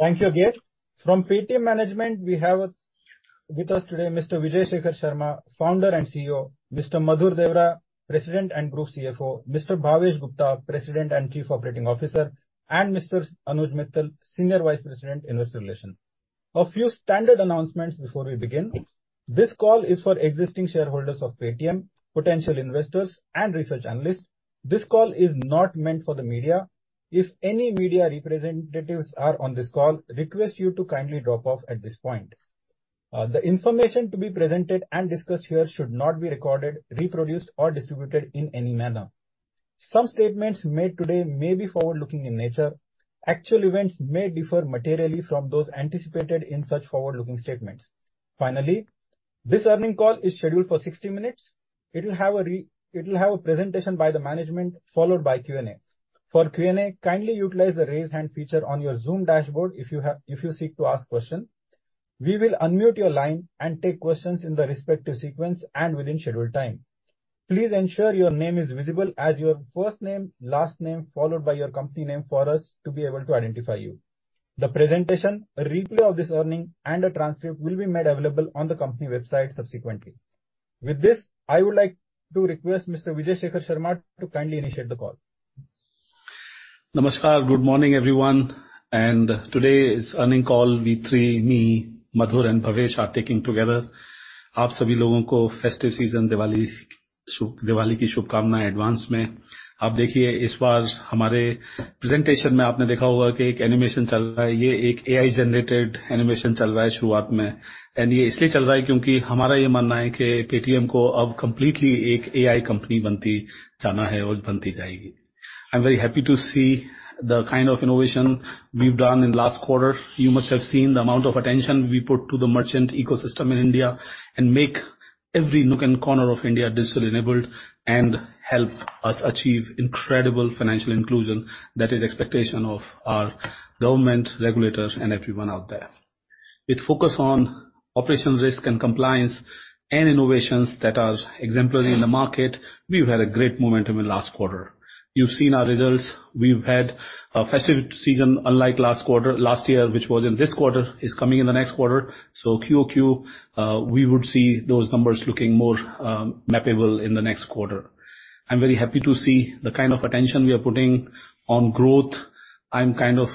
Thank you, Gail. From Paytm management, we have with us today Mr. Vijay Shekhar Sharma, Founder and CEO, Mr. Madhur Deora, President and Group CFO, Mr. Bhavesh Gupta, President and Chief Operating Officer, and Mr. Anuj Mittal, Senior Vice President, Investor Relations. A few standard announcements before we begin. This call is for existing shareholders of Paytm, potential investors and research analysts. This call is not meant for the media. If any media representatives are on this call, request you to kindly drop off at this point. The information to be presented and discussed here should not be recorded, reproduced, or distributed in any manner. Some statements made today may be forward-looking in nature. Actual events may differ materially from those anticipated in such forward-looking statements. Finally, this earnings call is scheduled for 60 minutes. It will have a presentation by the management, followed by Q&A. For Q&A, kindly utilize the Raise Hand feature on your Zoom dashboard if you have, if you seek to ask questions. We will unmute your line and take questions in the respective sequence and within scheduled time. Please ensure your name is visible as your first name, last name, followed by your company name, for us to be able to identify you. The presentation, a replay of this earnings, and a transcript will be made available on the company website subsequently. With this, I would like to request Mr. Vijay Shekhar Sharma to kindly initiate the call. Namaskar. Good morning, everyone, and today's earnings call, we three, me, Madhur, and Bhavesh, are taking together. I wish all of you a festive season of Diwali in advance. You must have seen in our presentation today that an animation is playing. This is an AI-generated animation playing in the beginning, and it is playing because we believe that Paytm is now becoming a completely AI company and will continue to do so. I'm very happy to see the kind of innovation we've done in last quarter. You must have seen the amount of attention we put to the merchant ecosystem in India and make every nook and corner of India digitally enabled and help us achieve incredible financial inclusion that is expectation of our government, regulators, and everyone out there. With focus on operational risk and compliance and innovations that are exemplary in the market, we've had a great momentum in last quarter. You've seen our results. We've had a festive season, unlike last quarter, last year, which was in this quarter, is coming in the next quarter, so QOQ, we would see those numbers looking more, mappable in the next quarter. I'm very happy to see the kind of attention we are putting on growth and kind of,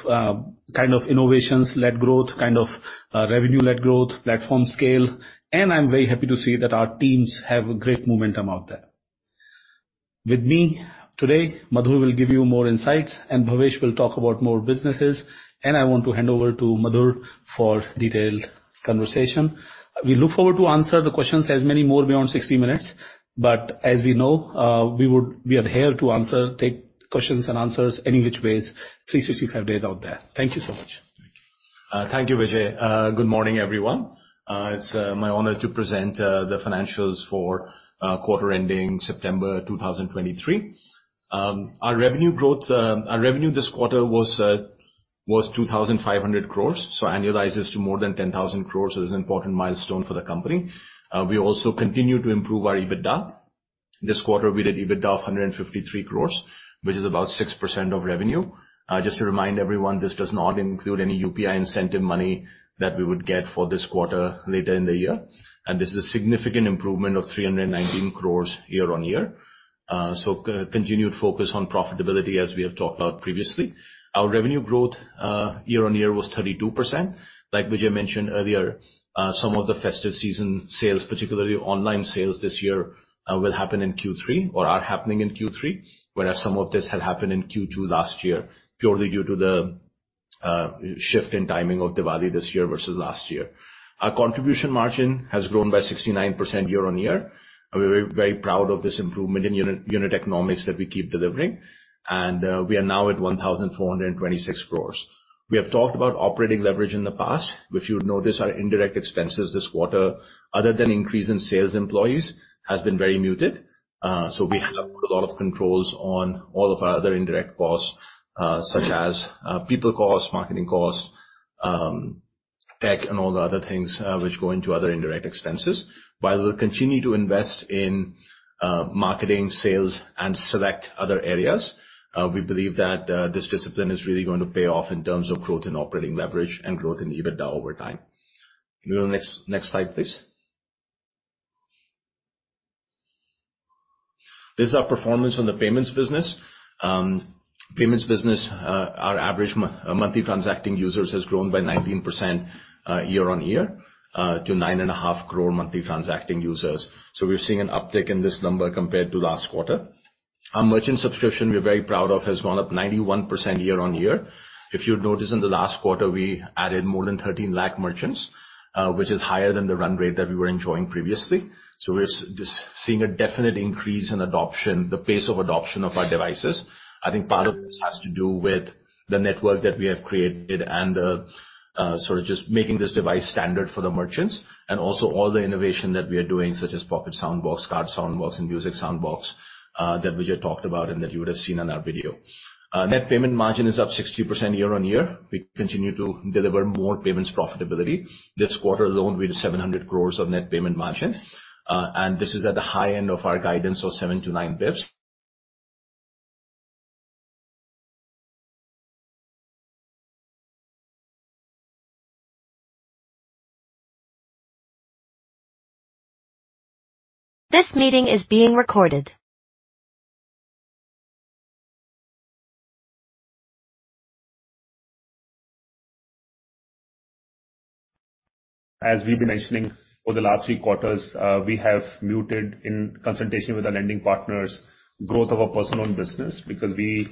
kind of innovations-led growth, kind of, revenue-led growth, platform scale, and I'm very happy to see that our teams have a great momentum out there. With me today, Madhur will give you more insights, and Bhavesh will talk about more businesses. And I want to hand over to Madhur for detailed conversation. We look forward to answer the questions, as many more beyond 60 minutes, but as we know, we are here to answer, take questions and answers any which ways, 365 days out there. Thank you so much. Thank you, Vijay. Good morning, everyone. It's my honor to present the financials for quarter ending September 2023. Our revenue growth, our revenue this quarter was 2,500 crore, so annualizes to more than 10,000 crore. It is an important milestone for the company. We also continue to improve our EBITDA. This quarter, we did EBITDA of 153 crore, which is about 6% of revenue. Just to remind everyone, this does not include any UPI incentive money that we would get for this quarter later in the year, and this is a significant improvement of 319 crore year-on-year. So continued focus on profitability, as we have talked about previously. Our revenue growth year-on-year was 32%. Like Vijay mentioned earlier, some of the festive season sales, particularly online sales this year, will happen in Q3 or are happening in Q3, whereas some of this had happened in Q2 last year, purely due to the shift in timing of Diwali this year versus last year. Our contribution margin has grown by 69% year-on-year. We're very proud of this improvement in unit economics that we keep delivering, and we are now at 1,426 crores. We have talked about operating leverage in the past. If you notice our indirect expenses this quarter, other than increase in sales employees, has been very muted. So we have a lot of controls on all of our other indirect costs, such as, people cost, marketing costs, tech and all the other things, which go into other indirect expenses. While we'll continue to invest in, marketing, sales, and select other areas, we believe that, this discipline is really going to pay off in terms of growth in operating leverage and growth in EBITDA over time. Can we go to next slide, please? This is our performance on the payments business. Payments business, our average monthly transacting users has grown by 19%, year-on-year, to 9.5 crore monthly transacting users. So we're seeing an uptick in this number compared to last quarter. Our merchant subscription, we're very proud of, has gone up 91% year-on-year. If you'd notice, in the last quarter, we added more than 13 lakh merchants, which is higher than the run rate that we were enjoying previously. So we're seeing a definite increase in adoption, the pace of adoption of our devices. I think part of this has to do with the network that we have created and the sort of just making this device standard for the merchants, and also all the innovation that we are doing, such as Pocket Soundbox, Card Soundbox, and Music Soundbox, that Vijay talked about and that you would have seen in our video. Net payment margin is up 60% year-over-year. We continue to deliver more payments profitability. This quarter alone, we had 700 crores of net payment margin, and this is at the high end of our guidance of seven to nine basis points. This meeting is being recorded. As we've been mentioning for the last three quarters, we have muted in consultation with our lending partners growth of our personal business, because we,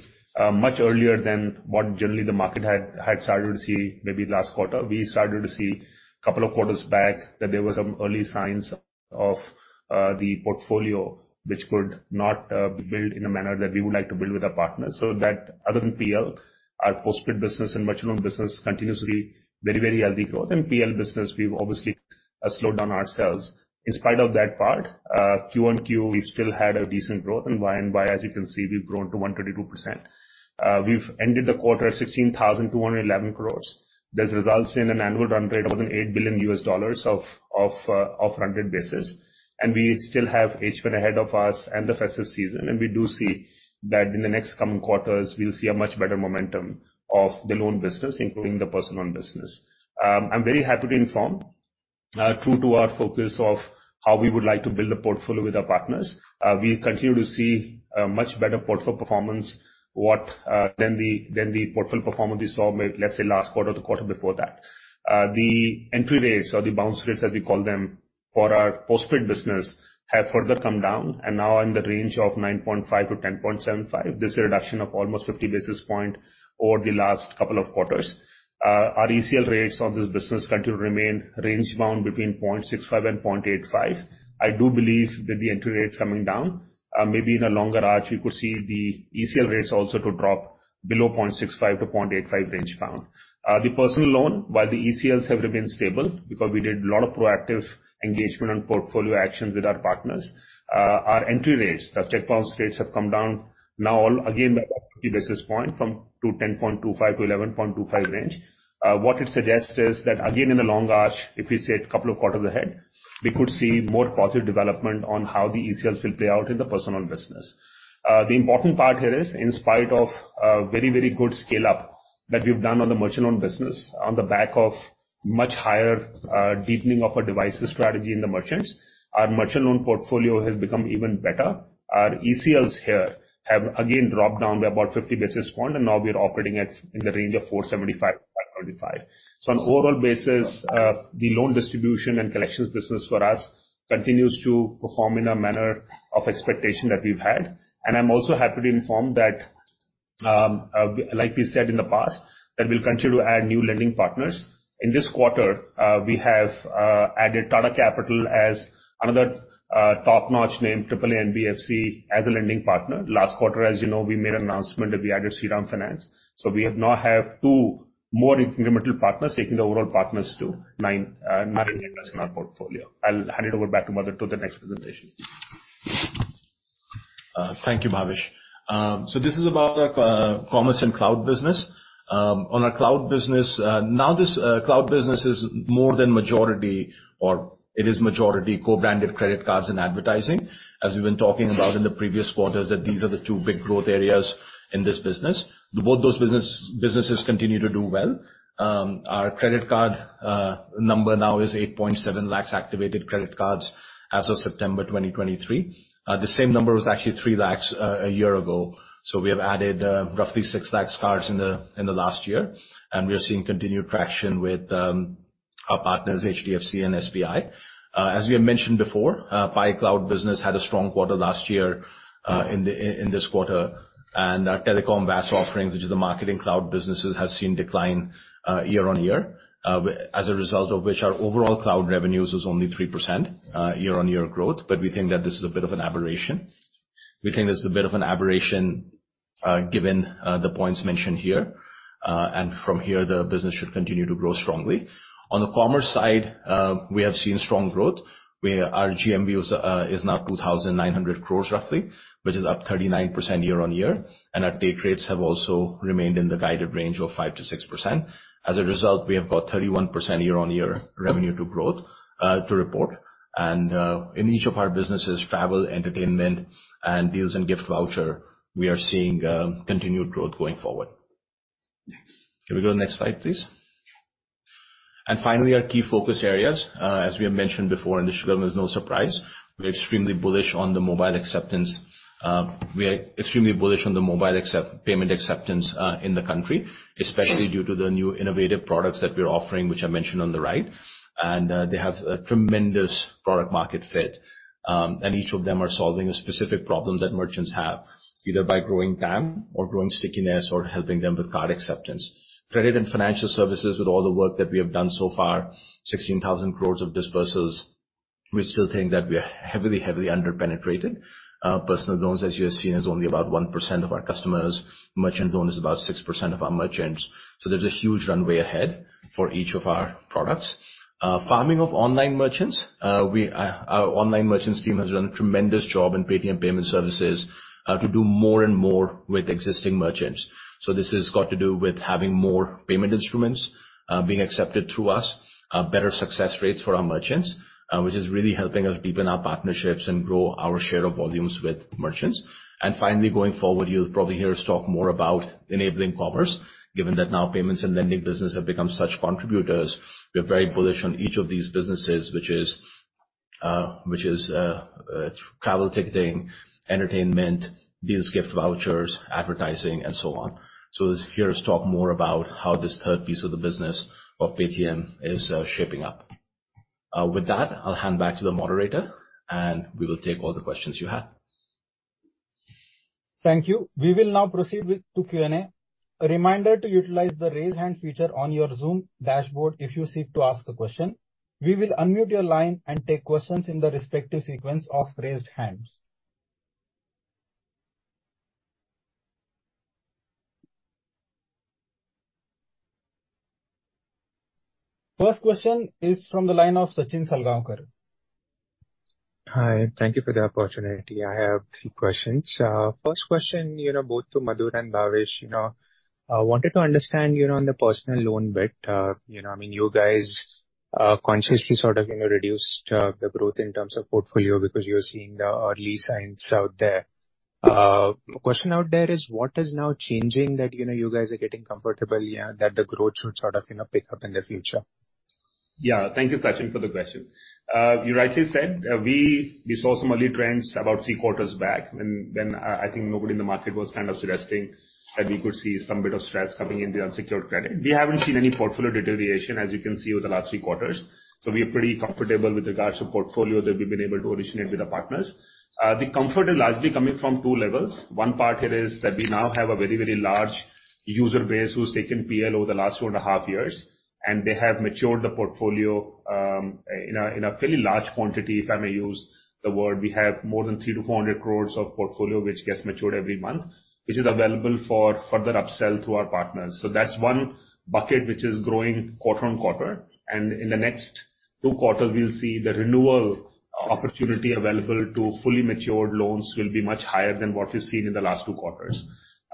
much earlier than what generally the market had, had started to see maybe last quarter, we started to see a couple of quarters back that there were some early signs of the portfolio, which could not build in a manner that we would like to build with our partners. So that other than PL, our Postpaid business and merchant loan business continuously very, very healthy growth. In PL business, we've obviously slowed down ourselves. In spite of that part, q-on-q we've still had a decent growth, and y-on-y, as you can see, we've grown to 1.22%. We've ended the quarter at 16,211 crore. This results in an annual run rate of more than $8 billion of run rate basis, and we still have H1 ahead of us and the festive season. And we do see that in the next coming quarters, we'll see a much better momentum of the loan business, including the personal business. I'm very happy to inform, true to our focus of how we would like to build a portfolio with our partners, we continue to see a much better portfolio performance than the portfolio performance we saw, let's say, last quarter, the quarter before that. The entry rates or the bounce rates, as we call them, for our postpaid business, have further come down and now in the range of 9.5-10.75. This is a reduction of almost 50 basis points over the last couple of quarters. Our ECL rates on this business continue to remain range bound between 0.65 and 0.85. I do believe with the entry rates coming down, maybe in a longer arc, we could see the ECL rates also to drop below 0.65-0.85 range bound. The personal loan, while the ECLs have remained stable, because we did a lot of proactive engagement and portfolio actions with our partners, our entry rates, the check bounce rates, have come down now again by about 50 basis points from the 10.25-11.25 range. What it suggests is that again, in the long arc, if we say a couple of quarters ahead, we could see more positive development on how the ECLs will play out in the personal business. The important part here is, in spite of a very, very good scale-up that we've done on the merchant loan business, on the back of much higher deepening of our devices strategy in the merchants, our merchant loan portfolio has become even better. Our ECLs here have again dropped down by about 50 basis points, and now we are operating at in the range of 475-535. So on overall basis, the loan distribution and collections business for us continues to perform in a manner of expectation that we've had. I'm also happy to inform that, like we said in the past, we'll continue to add new lending partners. In this quarter, we have added Tata Capital as another top-notch name, AAA NBFC, as a lending partner. Last quarter, as you know, we made an announcement that we added Shriram Finance. We now have two more incremental partners, taking the overall partners to nine, nine partners in our portfolio. I'll hand it over back to Madhu to the next presentation. Thank you, Bhavesh. So this is about our commerce and cloud business. On our Cloud business, now this Cloud business is more than majority, or it is majority co-branded credit cards and advertising. As we've been talking about in the previous quarters, that these are the two big growth areas in this business. Both those businesses continue to do well. Our credit card number now is 8.7 lakhs activated credit cards as of September 2023. The same number was actually 3 lakhs a year ago. So we have added roughly 6 lakhs cards in the last year, and we are seeing continued traction with our partners, HDFC and SBI. As we have mentioned before, Paytm Cloud business had a strong quarter last year in this quarter. And our Telecom VAS offerings, which is the marketing cloud businesses, has seen decline year on year as a result of which our overall cloud revenues was only 3% year-on-year growth. But we think that this is a bit of an aberration. We think this is a bit of an aberration given the points mentioned here. And from here, the business should continue to grow strongly. On the commerce side, we have seen strong growth, where our GMV was is now 2,900 crore roughly, which is up 39% year-on-year, and our take rates have also remained in the guided range of 5%-6%. As a result, we have got 31% year-on-year revenue to growth to report. And in each of our businesses, travel, entertainment, and deals and gift voucher, we are seeing continued growth going forward. Next. Can we go to next slide, please? And finally, our key focus areas. As we have mentioned before, and this comes as no surprise, we're extremely bullish on the mobile acceptance. We are extremely bullish on the mobile payment acceptance in the country, especially due to the new innovative products that we're offering, which I mentioned on the right, and they have a tremendous product market fit. And each of them are solving a specific problem that merchants have, either by growing PAM or growing stickiness or helping them with card acceptance. Credit and financial services, with all the work that we have done so far, 16,000 crore of disbursals, we still think that we are heavily, heavily under-penetrated. Personal loans, as you have seen, is only about 1% of our customers. Merchant loan is about 6% of our merchants. So there's a huge runway ahead for each of our products. Farming of online merchants, we, our online merchants team has done a tremendous job in Paytm Payment Services, to do more and more with existing merchants. So this has got to do with having more payment instruments, being accepted through us, better success rates for our merchants which is really helping us deepen our partnerships and grow our share of volumes with merchants. Finally, going forward, you'll probably hear us talk more about enabling commerce, given that now payments and lending business have become such contributors. We are very bullish on each of these businesses, travel ticketing, entertainment, bills, gift vouchers, advertising, and so on. You'll hear us talk more about how this third piece of the business of Paytm is shaping up. With that, I'll hand back to the moderator, and we will take all the questions you have. Thank you. We will now proceed to Q&A. A reminder to utilize the Raise Hand feature on your Zoom dashboard if you seek to ask a question. We will unmute your line and take questions in the respective sequence of raised hands. First question is from the line of Sachin Salgaonkar. Hi, thank you for the opportunity. I have three questions. First question, you know, both to Madhur and Bhavesh, you know, I wanted to understand, you know, on the personal loan bit, you know, I mean, you guys, consciously sort of, you know, reduced, the growth in terms of portfolio because you're seeing the early signs out there. Question out there is, what is now changing that, you know, you guys are getting comfortable, yeah, that the growth should sort of, you know, pick up in the future? Yeah. Thank you, Sachin, for the question. You rightly said, we saw some early trends about three quarters back, when I think nobody in the market was kind of suggesting that we could see some bit of stress coming in the unsecured credit. We haven't seen any portfolio deterioration, as you can see, over the last three quarters, so we are pretty comfortable with regards to portfolio that we've been able to originate with the partners. The comfort is largely coming from two levels. One part it is that we now have a very, very large user base who's taken PL over the last two and a half years, and they have matured the portfolio, in a fairly large quantity, if I may use the word. We have more than 300-400 crore of portfolio, which gets matured every month, which is available for further upsell to our partners. So that's one bucket, which is growing quarter-on-quarter, and in the next two quarters, we'll see the renewal opportunity available to fully matured loans will be much higher than what we've seen in the last two quarters.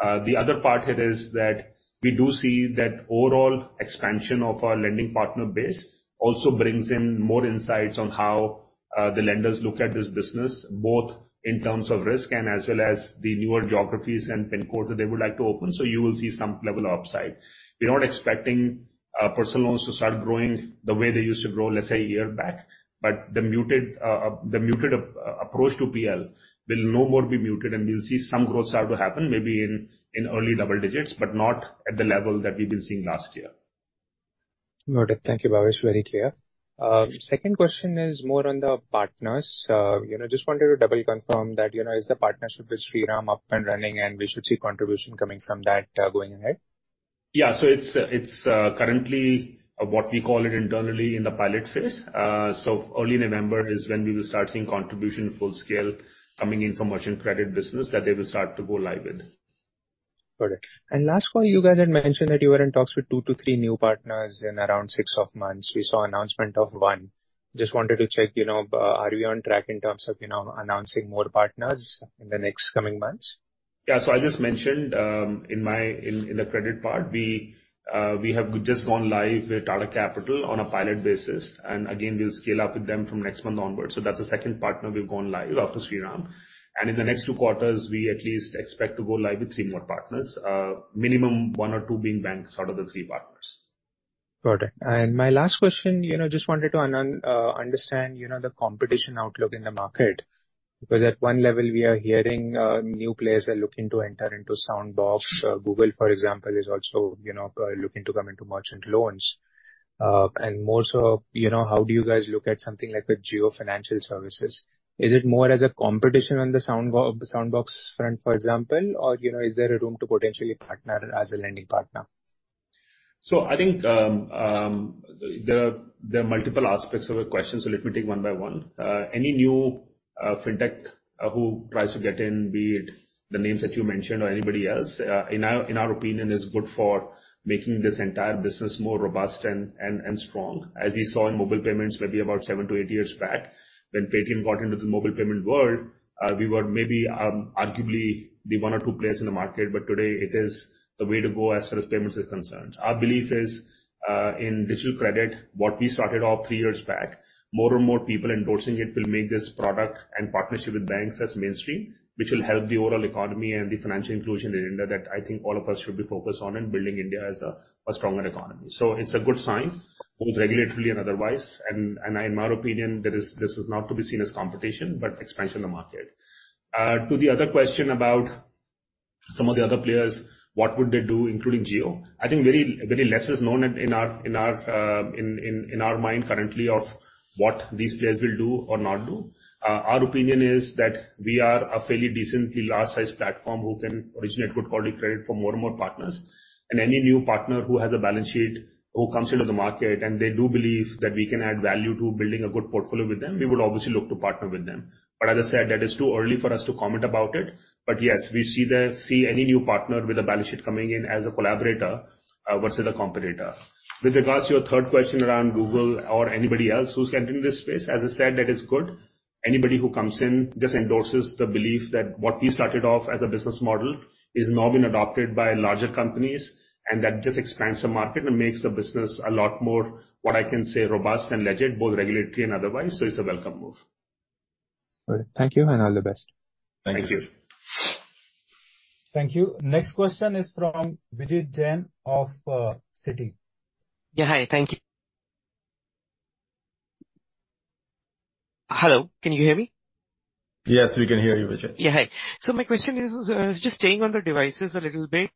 The other part it is that we do see that overall expansion of our lending partner base also brings in more insights on how, the lenders look at this business, both in terms of risk and as well as the newer geographies and pin codes that they would like to open. So you will see some level of upside. We're not expecting personal loans to start growing the way they used to grow, let's say, a year back, but the muted approach to PL will no more be muted, and we'll see some growth start to happen maybe in early double digits, but not at the level that we've been seeing last year. Got it. Thank you, Bhavesh. Very clear. Second question is more on the partners. You know, just wanted to double confirm that, you know, is the partnership with Shriram up and running, and we should see contribution coming from that, going ahead? Yeah. So it's currently what we call it internally in the pilot phase. So early November is when we will start seeing contribution full scale coming in from merchant credit business that they will start to go live with. Got it. And last one, you guys had mentioned that you were in talks with two to three new partners in around six months. We saw announcement of one. Just wanted to check, you know, are we on track in terms of, you know, announcing more partners in the next coming months? Yeah. So I just mentioned in the credit part, we have just gone live with Tata Capital on a pilot basis, and again, we'll scale up with them from next month onwards. So that's the second partner we've gone live after Shriram. And in the next two quarters, we at least expect to go live with three more partners, minimum one or two being banks out of the three partners. Got it. And my last question, you know, just wanted to understand, you know, the competition outlook in the market. Because at one level, we are hearing new players are looking to enter into Soundbox. Google, for example, is also, you know, looking to come into merchant loans. And more so, you know, how do you guys look at something like a Jio Financial Services? Is it more as a competition on the Soundbox, Soundbox front, for example, or, you know, is there a room to potentially partner as a lending partner? So I think, there are multiple aspects of a question, so let me take one by one. Any new fintech who tries to get in, be it the names that you mentioned or anybody else, in our opinion, is good for making this entire business more robust and strong. As we saw in mobile payments maybe about seven to eight years back, when Paytm got into the mobile payment world, we were maybe arguably the one or two players in the market, but today it is the way to go as far as payments is concerned. Our belief is in digital credit, what we started off three years back, more and more people endorsing it will make this product and partnership with banks as mainstream, which will help the overall economy and the financial inclusion in India, that I think all of us should be focused on in building India as a stronger economy. So it's a good sign, both regulatory and otherwise, and in my opinion, that is, this is not to be seen as competition, but expansion of the market. To the other question about some of the other players, what would they do, including Jio? I think very, very less is known in our mind currently of what these players will do or not do. Our opinion is that we are a fairly decently large-sized platform who can originate good quality credit for more and more partners. And any new partner who has a balance sheet, who comes into the market, and they do believe that we can add value to building a good portfolio with them, we would obviously look to partner with them. But as I said, that is too early for us to comment about it. But yes, we see any new partner with a balance sheet coming in as a collaborator versus a competitor. With regards to your third question around Google or anybody else who's getting in this space, as I said, that is good. Anybody who comes in just endorses the belief that what we started off as a business model has now been adopted by larger companies, and that just expands the market and makes the business a lot more, what I can say, robust and legit, both regulatory and otherwise. So it's a welcome move. All right. Thank you, and all the best. Thank you. Thank you. Next question is from Vijit Jain of Citi. Yeah, hi, thank you. Hello, can you hear me? Yes, we can hear you, Vijit. Yeah, hi. So my question is, just staying on the devices a little bit.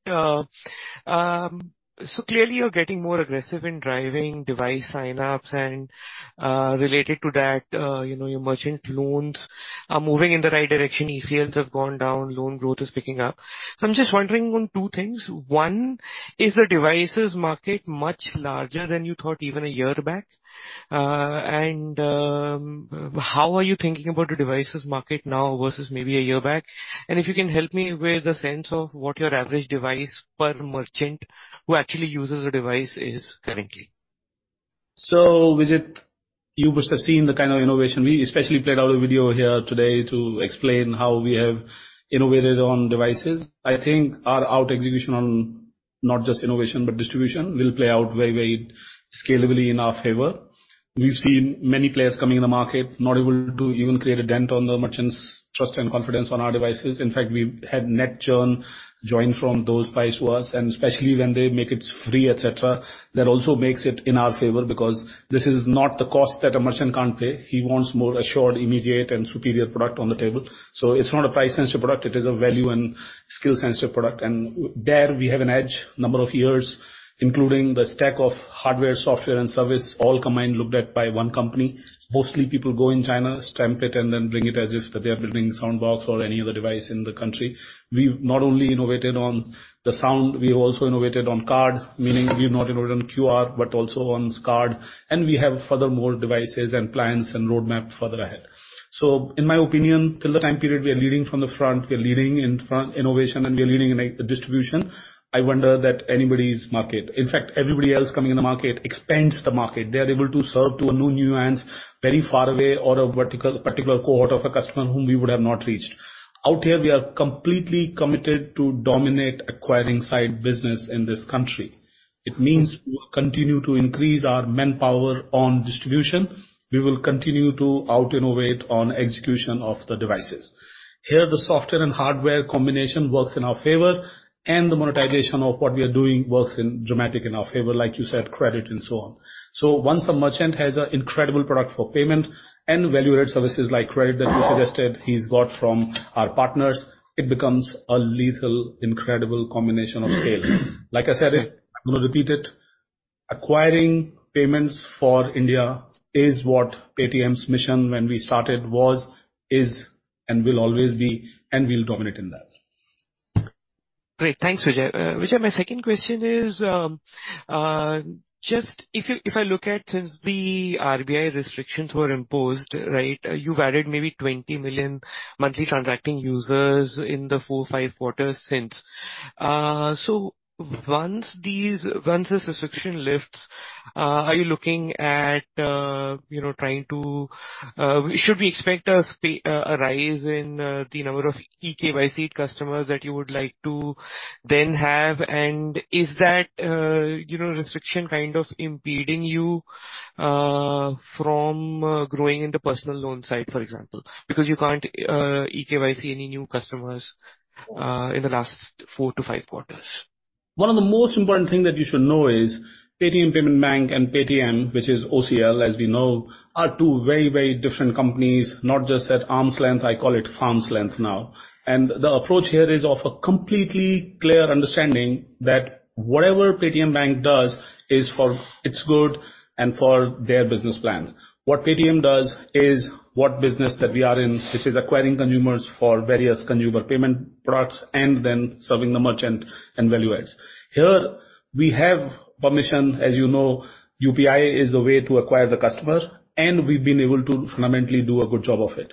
So clearly, you're getting more aggressive in driving device signups, and, related to that, you know, your merchant loans are moving in the right direction. ACLs have gone down, loan growth is picking up. So I'm just wondering on two things. One, is the devices market much larger than you thought even a year back? And, how are you thinking about the devices market now versus maybe a year back? And if you can help me with a sense of what your average device per merchant, who actually uses the device, is currently. So, Vijit, you must have seen the kind of innovation. We especially played out a video here today to explain how we have innovated on devices. I think our execution on not just innovation, but distribution, will play out very, very scalably in our favor. We've seen many players coming in the market, not able to even create a dent on the merchants' trust and confidence on our devices. In fact, we've had net joins from those price wars, and especially when they make it free, etc, that also makes it in our favor, because this is not the cost that a merchant can't pay. He wants more assured, immediate, and superior product on the table. So it's not a price-sensitive product, it is a value and skill-sensitive product. There, we have an edge, number of years, including the stack of hardware, software, and service, all combined, looked at by one company. Mostly people go in China, stamp it, and then bring it as if they are building Soundbox or any other device in the country. We've not only innovated on the sound, we've also innovated on card, meaning we've not innovated on QR, but also on card, and we have further more devices and plans and roadmap further ahead. So in my opinion, till the time period, we are leading from the front, we are leading in front innovation, and we are leading in the distribution. I wonder that anybody's market. In fact, everybody else coming in the market expands the market. They are able to serve to a new nuance very far away, or a vertical, particular cohort of a customer whom we would have not reached. Out here, we are completely committed to dominate acquiring side business in this country. It means we'll continue to increase our manpower on distribution. We will continue to out-innovate on execution of the devices. Here, the software and hardware combination works in our favor, and the monetization of what we are doing works in, dramatic in our favor, like you said, credit and so on. So once a merchant has an incredible product for payment and value-added services like credit that you suggested he's got from our partners, it becomes a lethal, incredible combination of scale. Like I said, I'm going to repeat it, acquiring payments for India is what Paytm's mission when we started was, is, and will always be, and we'll dominate in that. Great. Thanks, Vijay. Vijay, my second question is, just if you, if I look at since the RBI restrictions were imposed, right? You've added maybe 20 million monthly transacting users in the four to five quarters since. So once these, once this restriction lifts, are you looking at, you know, trying to. Should we expect a rise in the number of eKYC customers that you would like to then have? And is that, you know, restriction kind of impeding you from growing in the personal loan side, for example, because you can't eKYC any new customers in the last four to five quarters. One of the most important thing that you should know is Paytm Payments Bank and Paytm, which is OCL, as we know, are two very, very different companies, not just at arm's length, I call it arm's length now. The approach here is of a completely clear understanding that whatever Paytm Payments Bank does is for its good and for their business plan. What Paytm does is what business that we are in, which is acquiring consumers for various consumer payment products and then serving the merchant and value adds. Here, we have permission. As you know, UPI is the way to acquire the customer, and we've been able to fundamentally do a good job of it.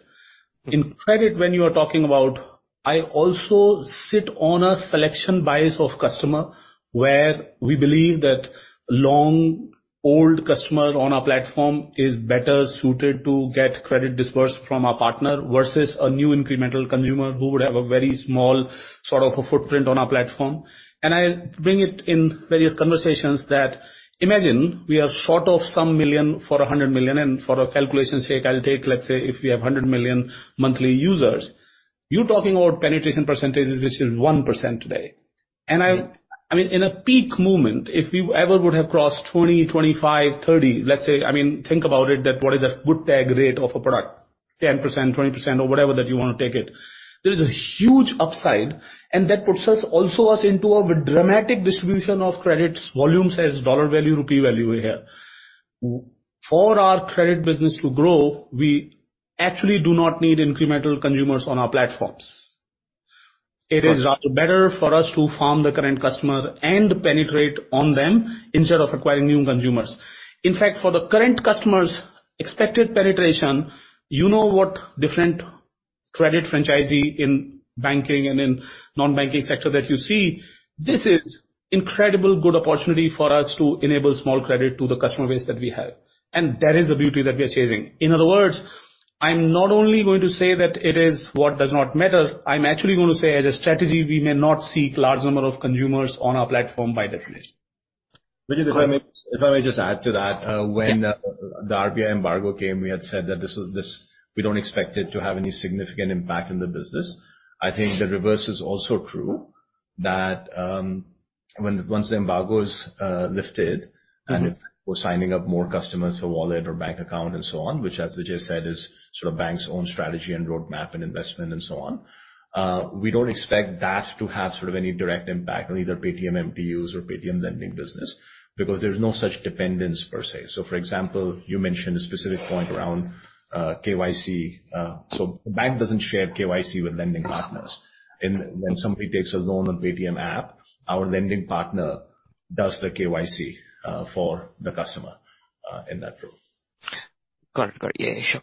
In credit, when you are talking about, I also sit on a selection bias of customer, where we believe that long, old customer on our platform is better suited to get credit disbursed from our partner versus a new incremental consumer who would have a very small sort of a footprint on our platform. I bring it in various conversations that imagine we are short of some million for a hundred million, and for a calculation sake, I'll take, let's say, if we have 100 million monthly users, you're talking about penetration percentages, which is 1% today. I mean, in a peak moment, if we ever would have crossed 20, 25, 30, let's say, I mean, think about it, that what is the good take rate of a product? 10%, 20%, or whatever that you want to take it. There is a huge upside, and that puts us, also us into a dramatic distribution of credits, volume, size, dollar value, rupee value here. For our credit business to grow, we actually do not need incremental consumers on our platforms. It is rather better for us to farm the current customer and penetrate on them instead of acquiring new consumers. In fact, for the current customers' expected penetration, you know what different credit franchisee in banking and in non-banking sector that you see, this is incredible good opportunity for us to enable small credit to the customer base that we have. That is the beauty that we are chasing. In other words, I'm not only going to say that it is what does not matter, I'm actually going to say, as a strategy, we may not seek large number of consumers on our platform by definition. Vijit, if I may, if I may just add to that. When the RBI embargo came, we had said that we don't expect it to have any significant impact on the business. I think the reverse is also true, that when once the embargo is lifted and if we're signing up more customers for wallet or bank account and so on, which, as Vijay said, is sort of bank's own strategy and roadmap and investment and so on, we don't expect that to have sort of any direct impact on either Paytm MTUs or Paytm lending business, because there's no such dependence per se. So, for example, you mentioned a specific point around KYC. So the bank doesn't share KYC with lending partners. When somebody takes a loan on Paytm app, our lending partner does the KYC for the customer in that role. Got it. Got it. Yeah, sure.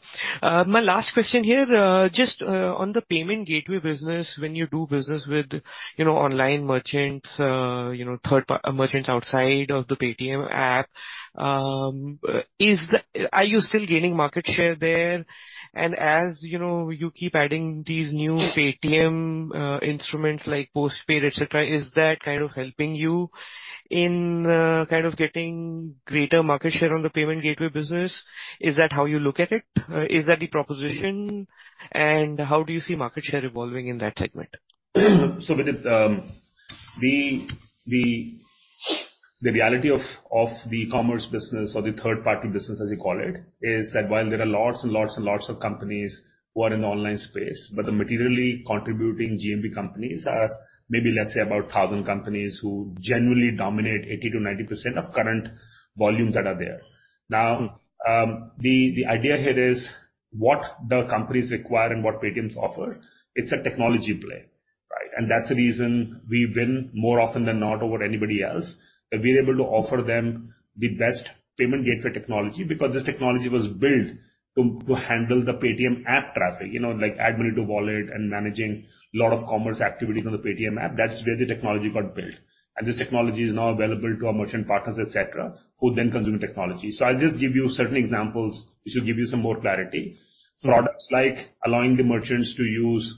My last question here, just, on the payment gateway business, when you do business with, you know, online merchants, you know, third-party merchants outside of the Paytm app. Are you still gaining market share there? And as, you know, you keep adding these new Paytm instruments like postpaid, etc, is that kind of helping you in, kind of getting greater market share on the payment gateway business? Is that how you look at it? Is that the proposition? And how do you see market share evolving in that segment? So Vijit, the reality of the commerce business or the third party business, as you call it, is that while there are lots and lots and lots of companies who are in the online space, but the materially contributing GMV companies are maybe, let's say, about 1,000 companies who generally dominate 80%-90% of current volumes that are there. Now, the idea here is what the companies require and what Paytm offers, it's a technology play, right? And that's the reason we win more often than not over anybody else. That we're able to offer them the best payment gateway technology, because this technology was built to handle the Paytm app traffic. You know, like adding money to wallet and managing a lot of commerce activities on the Paytm app. That's where the technology got built. And this technology is now available to our merchant partners, et cetera, who then consume the technology. So I'll just give you certain examples, which will give you some more clarity. Products like allowing the merchants to use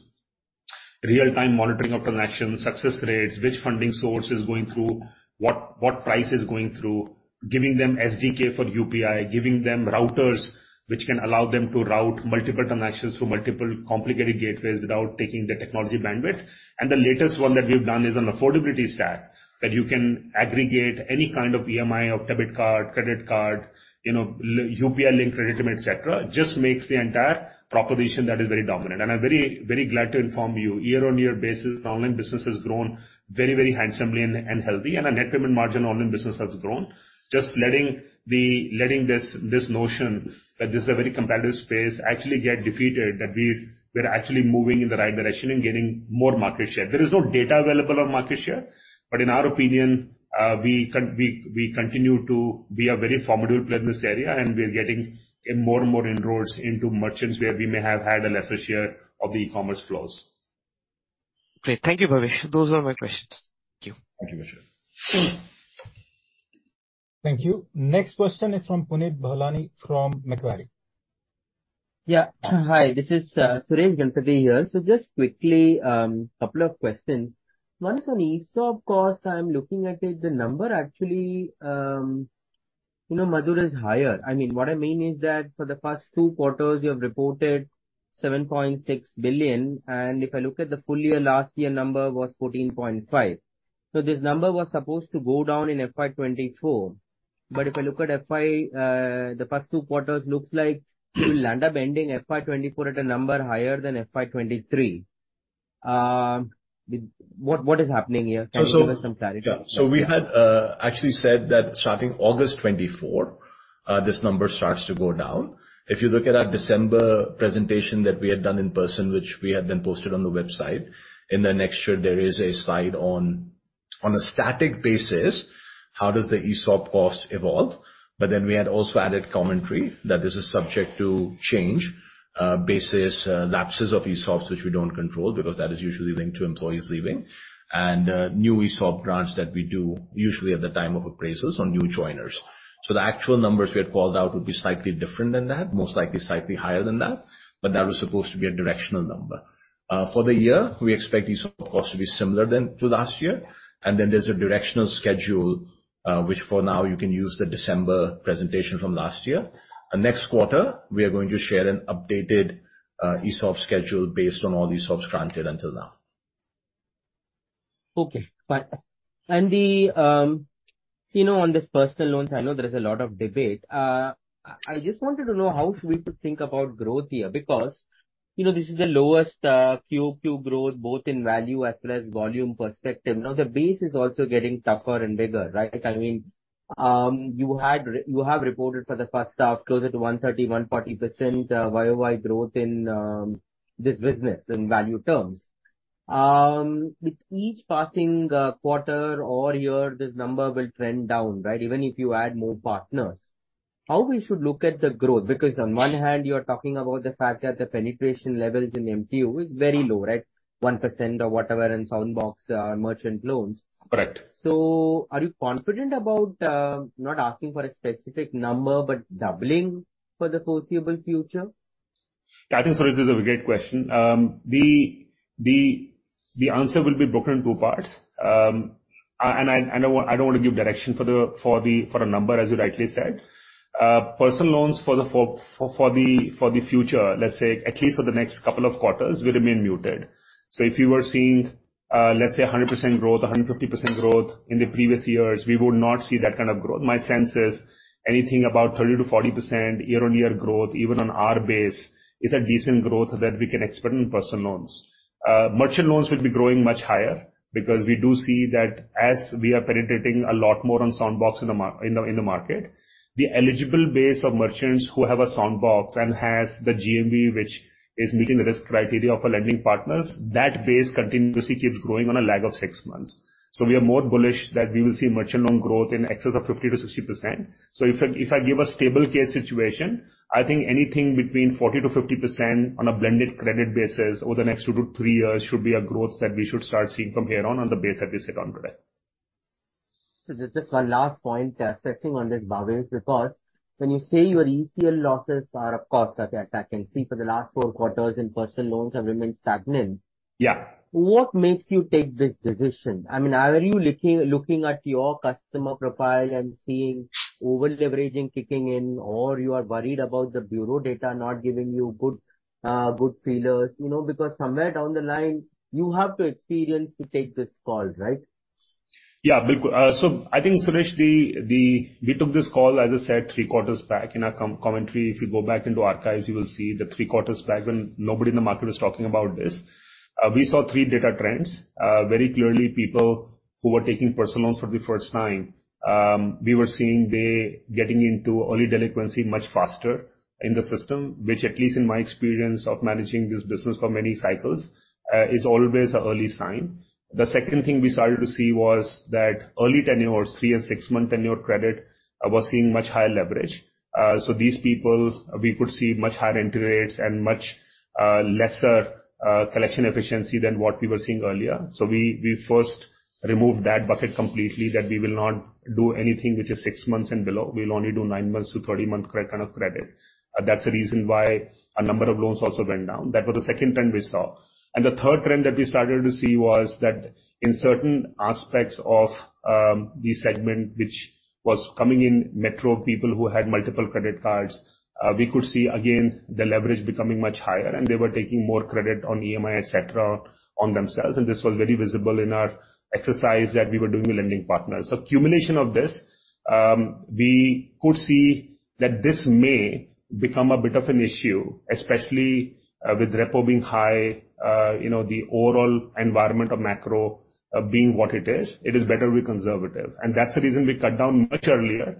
real-time monitoring of transactions, success rates, which funding source is going through, what price is going through, giving them SDK for UPI, giving them routers which can allow them to route multiple transactions through multiple complicated gateways without taking the technology bandwidth. The latest one that we've done is an affordability stack, that you can aggregate any kind of EMI, Debit card, credit card, you know, UPI link, credit limit, etc, just makes the entire proposition that is very dominant. I'm very, very glad to inform you, year-on-year basis, online business has grown very, very handsomely and, and healthy, and our net payment margin online business has grown. Just letting this notion that this is a very competitive space actually get defeated, that we're actually moving in the right direction and gaining more market share. There is no data available on market share, but in our opinion, we continue to, we are very formidable player in this area, and we are getting in more and more inroads into merchants where we may have had a lesser share of the e-commerce flows. Great. Thank you, Bhavesh. Those were my questions. Thank you. Thank you, Vijit. Thank you. Next question is from Suresh Ganapathy, from Macquarie. Yeah. Hi, this is Suresh Ganapathi here. So just quickly, a couple of questions. One, on ESOP costs, I'm looking at it, the number actually, you know, Madhur, is higher. I mean, what I mean is that for the first two quarters, you have reported 7.6 billion, and if I look at the full year, last year number was 14.5 billion. So this number was supposed to go down in FY 2024, but if I look at FY, the first two quarters, looks like you'll end up ending FY 2024 at a number higher than FY 2023. What is happening here? Can you give us some clarity? Yeah. So we had actually said that starting August 2024, this number starts to go down. If you look at our December presentation that we had done in person, which we had then posted on the website, in the next year, there is a slide on a static basis, how does the ESOP cost evolve? But then we had also added commentary that this is subject to change basis lapses of ESOPs, which we don't control, because that is usually linked to employees leaving, and new ESOP grants that we do, usually at the time of appraisals on new joiners. So the actual numbers we had called out would be slightly different than that, most likely, slightly higher than that, but that was supposed to be a directional number. For the year, we expect ESOP cost to be similar than to last year. Then there's a directional schedule, which for now, you can use the December presentation from last year. Next quarter, we are going to share an updated ESOP schedule based on all the ESOPs granted until now. Okay, bye. And the, you know, on this personal loans, I know there is a lot of debate. I just wanted to know how we should think about growth here, because, you know, this is the lowest, Q2 growth, both in value as well as volume perspective. Now, the base is also getting tougher and bigger, right? I mean, you have reported for the first half, closer to 130%-140% Y-O-Y growth in, this business in value terms. With each passing, quarter or year, this number will trend down, right? Even if you add more partners. How we should look at the growth? Because on one hand, you're talking about the fact that the penetration levels in MTU is very low, right? 1% or whatever, in Soundbox, merchant loans. Correct. Are you confident about not asking for a specific number, but doubling for the foreseeable future? I think, Suresh, this is a great question. The answer will be broken in two parts. And I don't want to give direction for a number, as you rightly said. Personal loans for the future, let's say at least for the next couple of quarters, will remain muted. So if you were seeing, let's say 100% growth, 150% growth in the previous years, we would not see that kind of growth. My sense is anything about 30%-40% year-on-year growth, even on our base, is a decent growth that we can expect in personal loans. Merchant loans will be growing much higher because we do see that as we are penetrating a lot more on Soundbox in the market, the eligible base of merchants who have a Soundbox and has the GMV, which is meeting the risk criteria of our lending partners, that base continuously keeps growing on a lag of six months. So we are more bullish that we will see merchant loan growth in excess of 50%-60%. So if I, if I give a stable case situation, I think anything between 40%-50% on a blended credit basis over the next two to three years should be a growth that we should start seeing from here on, on the base that we sit on today. Just, just one last point, stressing on this, Bhavesh, because when you say your ECL losses are, of course, as I, I can see for the last four quarters in personal loans have remained stagnant. Yeah. What makes you take this decision? I mean, are you looking at your customer profile and seeing over-leveraging kicking in, or you are worried about the bureau data not giving you good, good feelers? You know, because somewhere down the line, you have to experience to take this call, right? So I think, Suresh, we took this call, as I said, three quarters back in our commentary. If you go back into archives, you will see that three quarters back when nobody in the market was talking about this. We saw three data trends. Very clearly, people who were taking personal loans for the first time, we were seeing they getting into early delinquency much faster in the system, which, at least in my experience of managing this business for many cycles, is always an early sign. The second thing we started to see was that early tenure, three and six-month tenure credit, was seeing much higher leverage. So these people, we could see much higher interest rates and much lesser collection efficiency than what we were seeing earlier. So we first removed that bucket completely, that we will not do anything which is six months and below. We'll only do nine months to 30-month kind of credit. That's the reason why a number of loans also went down. That was the second trend we saw. And the third trend that we started to see was that in certain aspects of the segment which was coming in metro, people who had multiple credit cards, we could see again, the leverage becoming much higher, and they were taking more credit on EMI, etc, on themselves. And this was very visible in our exercise that we were doing with lending partners. So culmination of this, we could see that this may become a bit of an issue, especially, with repo being high, you know, the overall environment of macro, being what it is, it is better we conservative. And that's the reason we cut down much earlier,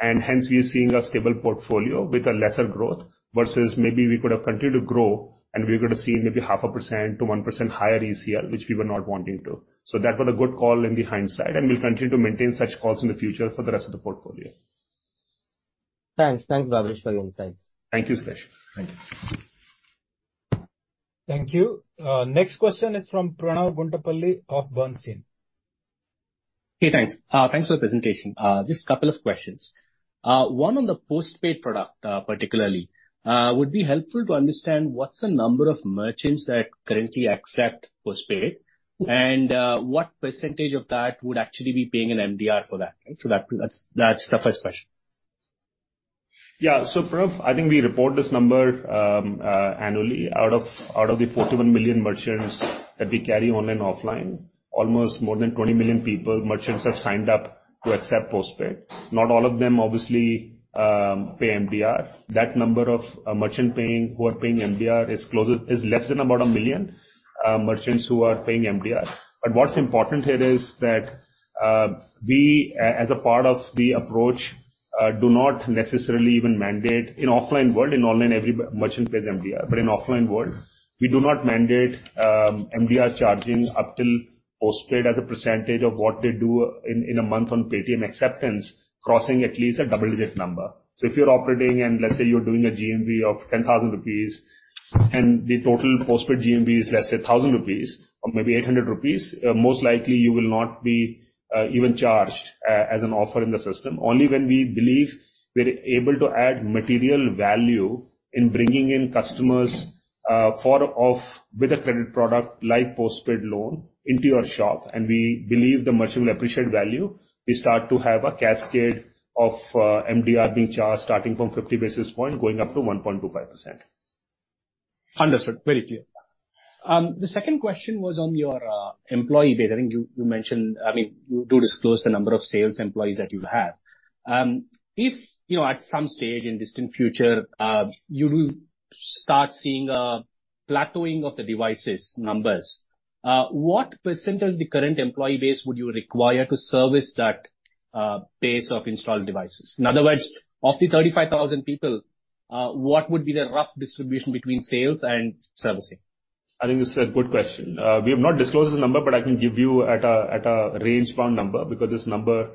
and hence you're seeing a stable portfolio with a lesser growth, versus maybe we could have continued to grow and we're going to see maybe 0.5%-1% higher ECL, which we were not wanting to. So that was a good call in hindsight, and we'll continue to maintain such calls in the future for the rest of the portfolio. Thanks. Thanks, Bhavesh, for your insights. Thank you, Suresh. Thank you. Thank you. Next question is from Pranav Gundlapalle of Bernstein. Hey, thanks. Thanks for the presentation. Just a couple of questions. One on the postpaid product, particularly, would be helpful to understand what's the number of merchants that currently accept postpaid, and, what percentage of that would actually be paying an MDR for that? So that, that's, that's the first question. Yeah. So Pranav, I think we report this number annually. Out of the 41 million merchants that we carry online and offline, almost more than 20 million people, merchants have signed up to accept postpaid. Not all of them obviously pay MDR. That number of merchant paying, who are paying MDR is closer. Is less than about one million merchants who are paying MDR. But what's important here is that we, as a part of the approach, do not necessarily even mandate in offline world, in online, every merchant pays MDR, but in offline world, we do not mandate MDR charging up till postpaid as a percentage of what they do in a month on Paytm acceptance, crossing at least a double-digit number. If you're operating and let's say you're doing a GMV of 10,000 rupees, and the total postpaid GMV is, let's say, 1,000 rupees or maybe 800 rupees, most likely you will not be even charged as an offer in the system. Only when we believe we're able to add material value in bringing in customers for offering with a credit product, like postpaid loan, into your shop, and we believe the merchant will appreciate value, we start to have a cascade of MDR being charged, starting from 50 basis points, going up to 1.25%. Understood. Very clear. The second question was on your employee base. I think you, you mentioned, I mean, you do disclose the number of sales employees that you have. If, you know, at some stage in distant future, you will start seeing a plateauing of the devices numbers, what percentage of the current employee base would you require to service that base of installed devices? In other words, of the 35,000 people, what would be the rough distribution between sales and servicing? I think this is a good question. We have not disclosed this number, but I can give you a range-bound number, because this number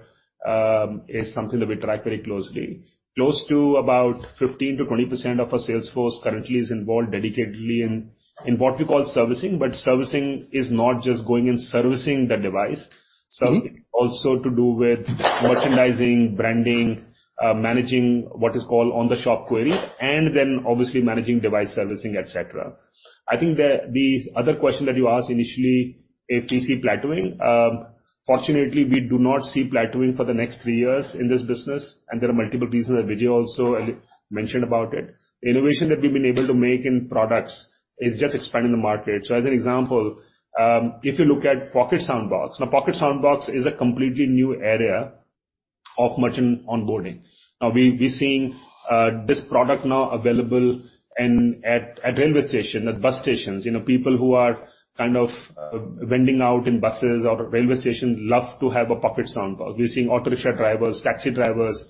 is something that we track very closely. Close to about 15%-20% of our sales force currently is involved dedicatedly in what we call servicing, but servicing is not just going and servicing the device. So it's also to do with merchandising, branding, managing what is called on-the-shop query, and then obviously managing device servicing, etc. I think the other question that you asked initially, if we see plateauing. Fortunately, we do not see plateauing for the next three years in this business, and there are multiple reasons that Vijay also mentioned about it. Innovation that we've been able to make in products is just expanding the market. So as an example, if you look at Pocket Soundbox. Now, Pocket Soundbox is a completely new area of merchant onboarding. Now, we're seeing this product now available in at railway station, at bus stations. You know, people who are kind of vending out in buses or railway stations love to have a Pocket Soundbox. We're seeing auto rickshaw drivers, taxi drivers,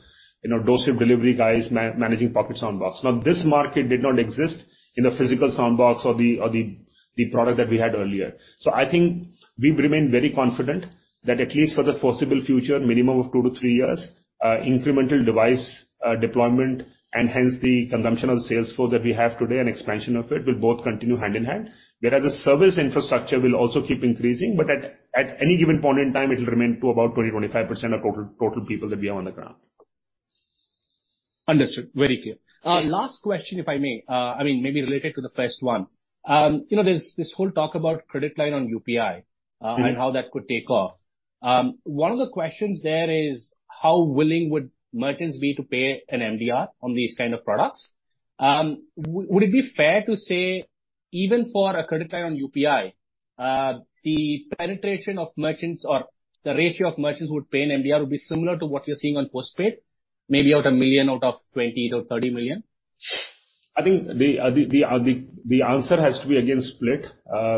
you know, doorstep delivery guys managing Pocket Soundbox. Now, this market did not exist in the physical Soundbox or the product that we had earlier. So I think we remain very confident that at least for the foreseeable future, minimum of two to three years, incremental device deployment and hence the consumption of the sales force that we have today and expansion of it, will both continue hand in hand. Whereas the service infrastructure will also keep increasing, but at any given point in time, it will remain to about 20%-25% of total people that we have on the ground. Understood. Very clear. Last question, if I may. I mean, maybe related to the first one. You know, there's this whole talk about credit line on UPI and how that could take off. One of the questions there is: How willing would merchants be to pay an MDR on these kind of products? Would it be fair to say, even for a credit line on UPI, the penetration of merchants or the ratio of merchants who would pay an MDR would be similar to what you're seeing on postpaid? Maybe about one million out of 20 million-30 million. I think the answer has to be, again, split.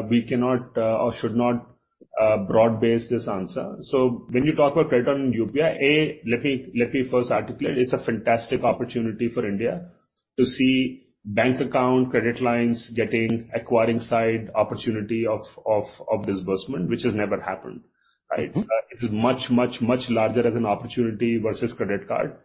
We cannot, or should not, broad-base this answer. So when you talk about credit on UPI, A, let me first articulate, it's a fantastic opportunity for India to see bank account credit lines getting acquiring side opportunity of disbursement, which has never happened, right? It is much, much, much larger as an opportunity versus credit card.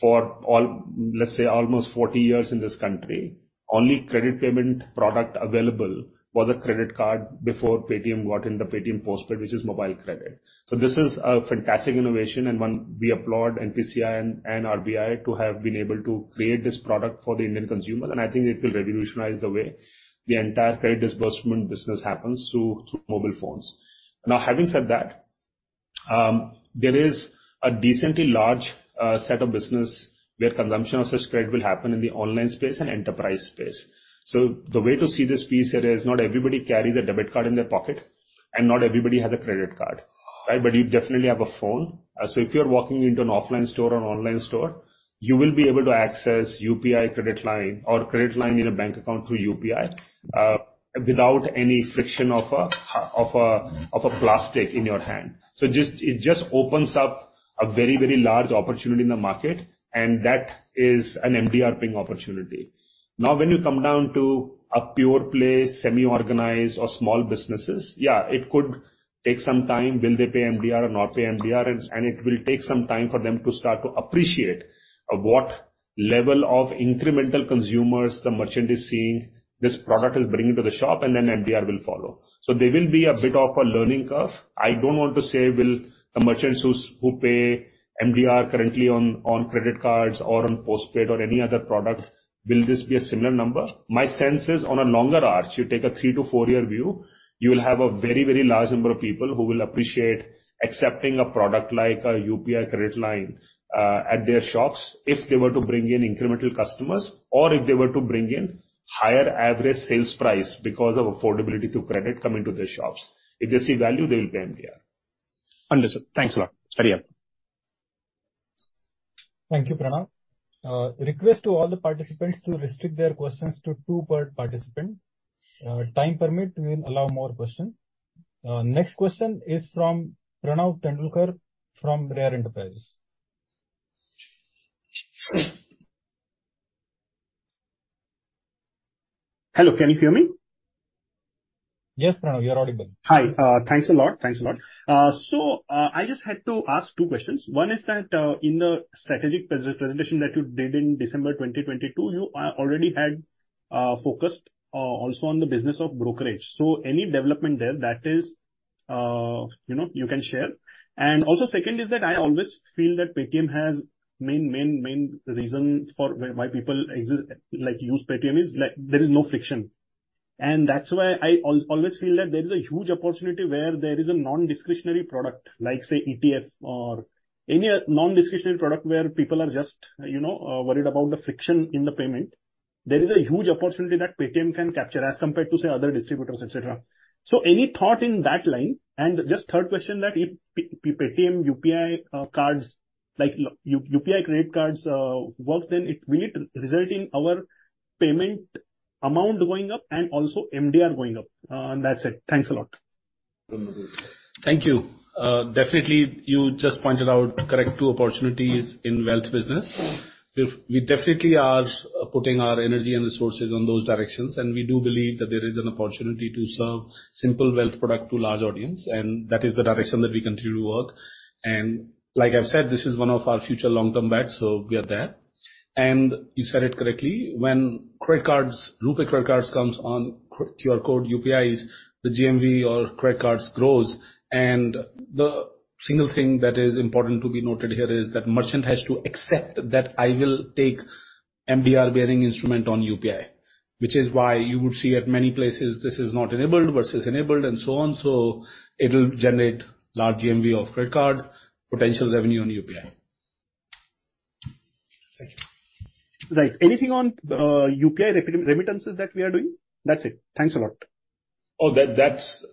For all, let's say, almost 40 years in this country, only credit payment product available was a credit card before Paytm got in the Paytm Postpaid, which is mobile credit. So this is a fantastic innovation and one we applaud NPCI and, and RBI to have been able to create this product for the Indian consumer, and I think it will revolutionize the way the entire credit disbursement business happens through, through mobile phones. Now, having said that, there is a decently large set of business where consumption of such credit will happen in the online space and enterprise space. So the way to see this piece here is not everybody carry the debit card in their pocket, and not everybody has a credit card, right? But you definitely have a phone. So if you're walking into an offline store or online store, you will be able to access UPI credit line or credit line in a bank account through UPI, without any friction of a plastic in your hand. So just, it just opens up a very, very large opportunity in the market, and that is an MDR paying opportunity. Now, when you come down to a pure play, semi-organized or small businesses, yeah, it could take some time. Will they pay MDR or not pay MDR? And it will take some time for them to start to appreciate, what level of incremental consumers the merchant is seeing this product is bringing to the shop, and then MDR will follow. So there will be a bit of a learning curve. I don't want to say, will the merchants who, who pay MDR currently on, on credit cards or on postpaid or any other product, will this be a similar number? My sense is, on a longer arc, you take a thre to four-year view, you will have a very, very large number of people who will appreciate accepting a product like a UPI credit line at their shops if they were to bring in incremental customers or if they were to bring in higher average sales price because of affordability to credit coming to their shops. If they see value, they will pay MDR. Understood. Thanks a lot. Very helpful. Thank you, Pranav. Request to all the participants to restrict their questions to two per participant. Time permit, we will allow more questions. Next question is from Pranav Tendulkar, from Rare Enterprises. Hello, can you hear me? Yes, Pranav, you're audible. Hi, thanks a lot. Thanks a lot. So, I just had to ask two questions. One is that, in the strategic presentation that you did in December 2022, you already had focused also on the business of brokerage. So any development there, that is, you know, you can share? And also, second is that I always feel that Paytm has main reason for why people like use Paytm is, like, there is no friction. And that's why I always feel that there is a huge opportunity where there is a non-discretionary product, like, say, ETF or any non-discretionary product where people are just, you know, worried about the friction in the payment. There is a huge opportunity that Paytm can capture as compared to, say, other distributors, etc. So any thought in that line? And just third question, that if Paytm UPI cards, like, UPI credit cards, work, then it will it result in our payment amount going up and also MDR going up? And that's it. Thanks a lot. Thank you. Definitely, you just pointed out, correct, two opportunities in wealth business. We definitely are putting our energy and resources on those directions, and we do believe that there is an opportunity to serve simple wealth product to large audience, and that is the direction that we continue to work. And like I've said, this is one of our future long-term bets, so we are there. And you said it correctly, when credit cards, RuPay credit cards comes on QR code, UPIs, the GMV of credit cards grows. And the single thing that is important to be noted here is that merchant has to accept that I will take MDR-bearing instrument on UPI, which is why you would see at many places this is not enabled versus enabled and so on. So it'll generate large GMV of credit card, potential revenue on UPI. Thank you. Right. Anything on, UPI remittances that we are doing? That's it. Thanks a lot. Oh, that's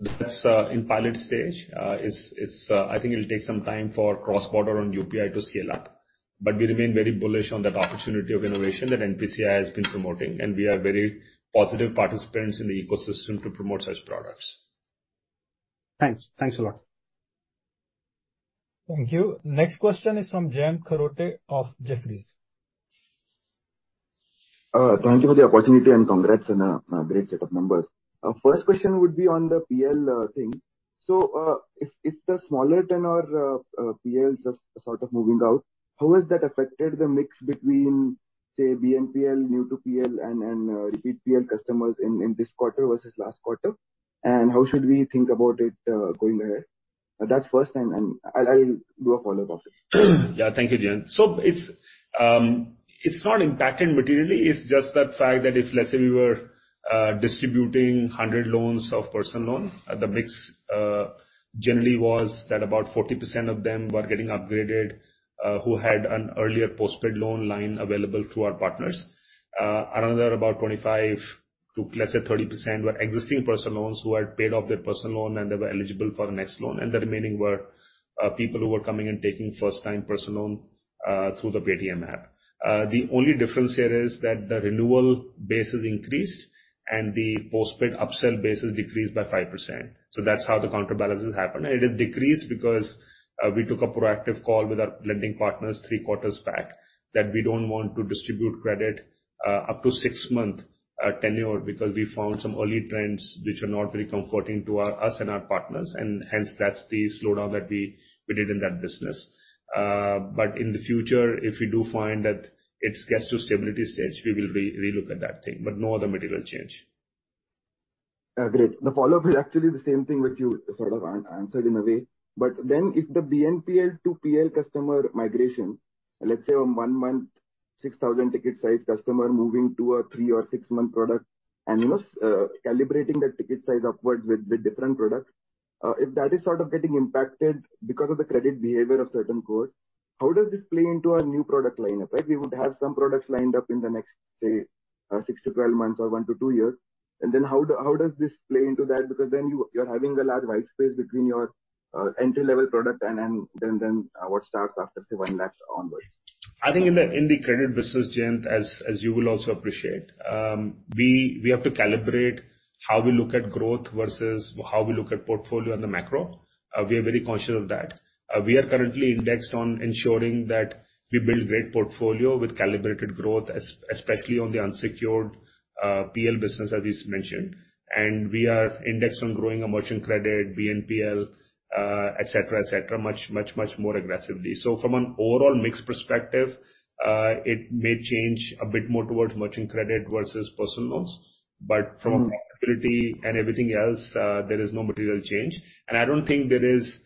in pilot stage. It's I think it'll take some time for cross-border on UPI to scale up, but we remain very bullish on that opportunity of innovation that NPCI has been promoting, and we are very positive participants in the ecosystem to promote such products. Thanks. Thanks a lot. Thank you. Next question is from Jayant Kharote of Jefferies. Thank you for the opportunity, and congrats on a great set of numbers. First question would be on the PL thing. So, if the smaller tenor PL just sort of moving out, how has that affected the mix between, say, BNPL, new to PL, and EPL customers in this quarter versus last quarter? And how should we think about it going ahead? That's first, and I'll do a follow-up after. Yeah. Thank you, Jayant. So it's not impacting materially. It's just that fact that if, let's say, we were distributing 100 loans of personal loan, the mix generally was that about 40% of them were getting upgraded, who had an earlier postpaid loan line available through our partners. Another about 25% to, let's say, 30%, were existing personal loans who had paid off their personal loan and they were eligible for the next loan, and the remaining were people who were coming and taking first-time personal loan through the Paytm app. The only difference here is that the renewal base is increased and the postpaid upsell base is decreased by 5%. So that's how the counterbalances happen. It is decreased because we took a proactive call with our lending partners three quarters back, that we don't want to distribute credit up to six-month tenure, because we found some early trends which are not very comforting to us and our partners, and hence, that's the slowdown that we did in that business. But in the future, if we do find that it gets to stability stage, we will re-look at that thing. But no other material change. Great. The follow-up is actually the same thing, which you sort of answered in a way. But then, if the BNPL to PL customer migration, let's say, on one month, 6,000-ticket-size customer moving to a three or six-month product, annual, calibrating that ticket size upwards with the different products, if that is sort of getting impacted because of the credit behavior of certain cohorts, how does this play into our new product lineup? Right? We would have some products lined up in the next, say, 6-12 months or one to two years. And then, how does this play into that? Because then you're having a large white space between your entry-level product and then what starts after the 1 lakh onwards. I think in the credit business, Jayant, as you will also appreciate, we have to calibrate how we look at growth versus how we look at portfolio and the macro. We are very conscious of that. We are currently indexed on ensuring that we build great portfolio with calibrated growth, especially on the unsecured, PL business, as is mentioned, and we are indexed on growing our merchant credit, BNPL, etc, much more aggressively. So from an overall mix perspective, it may change a bit more towards merchant credit versus personal loans. From a profitability and everything else, there is no material change. I don't think there is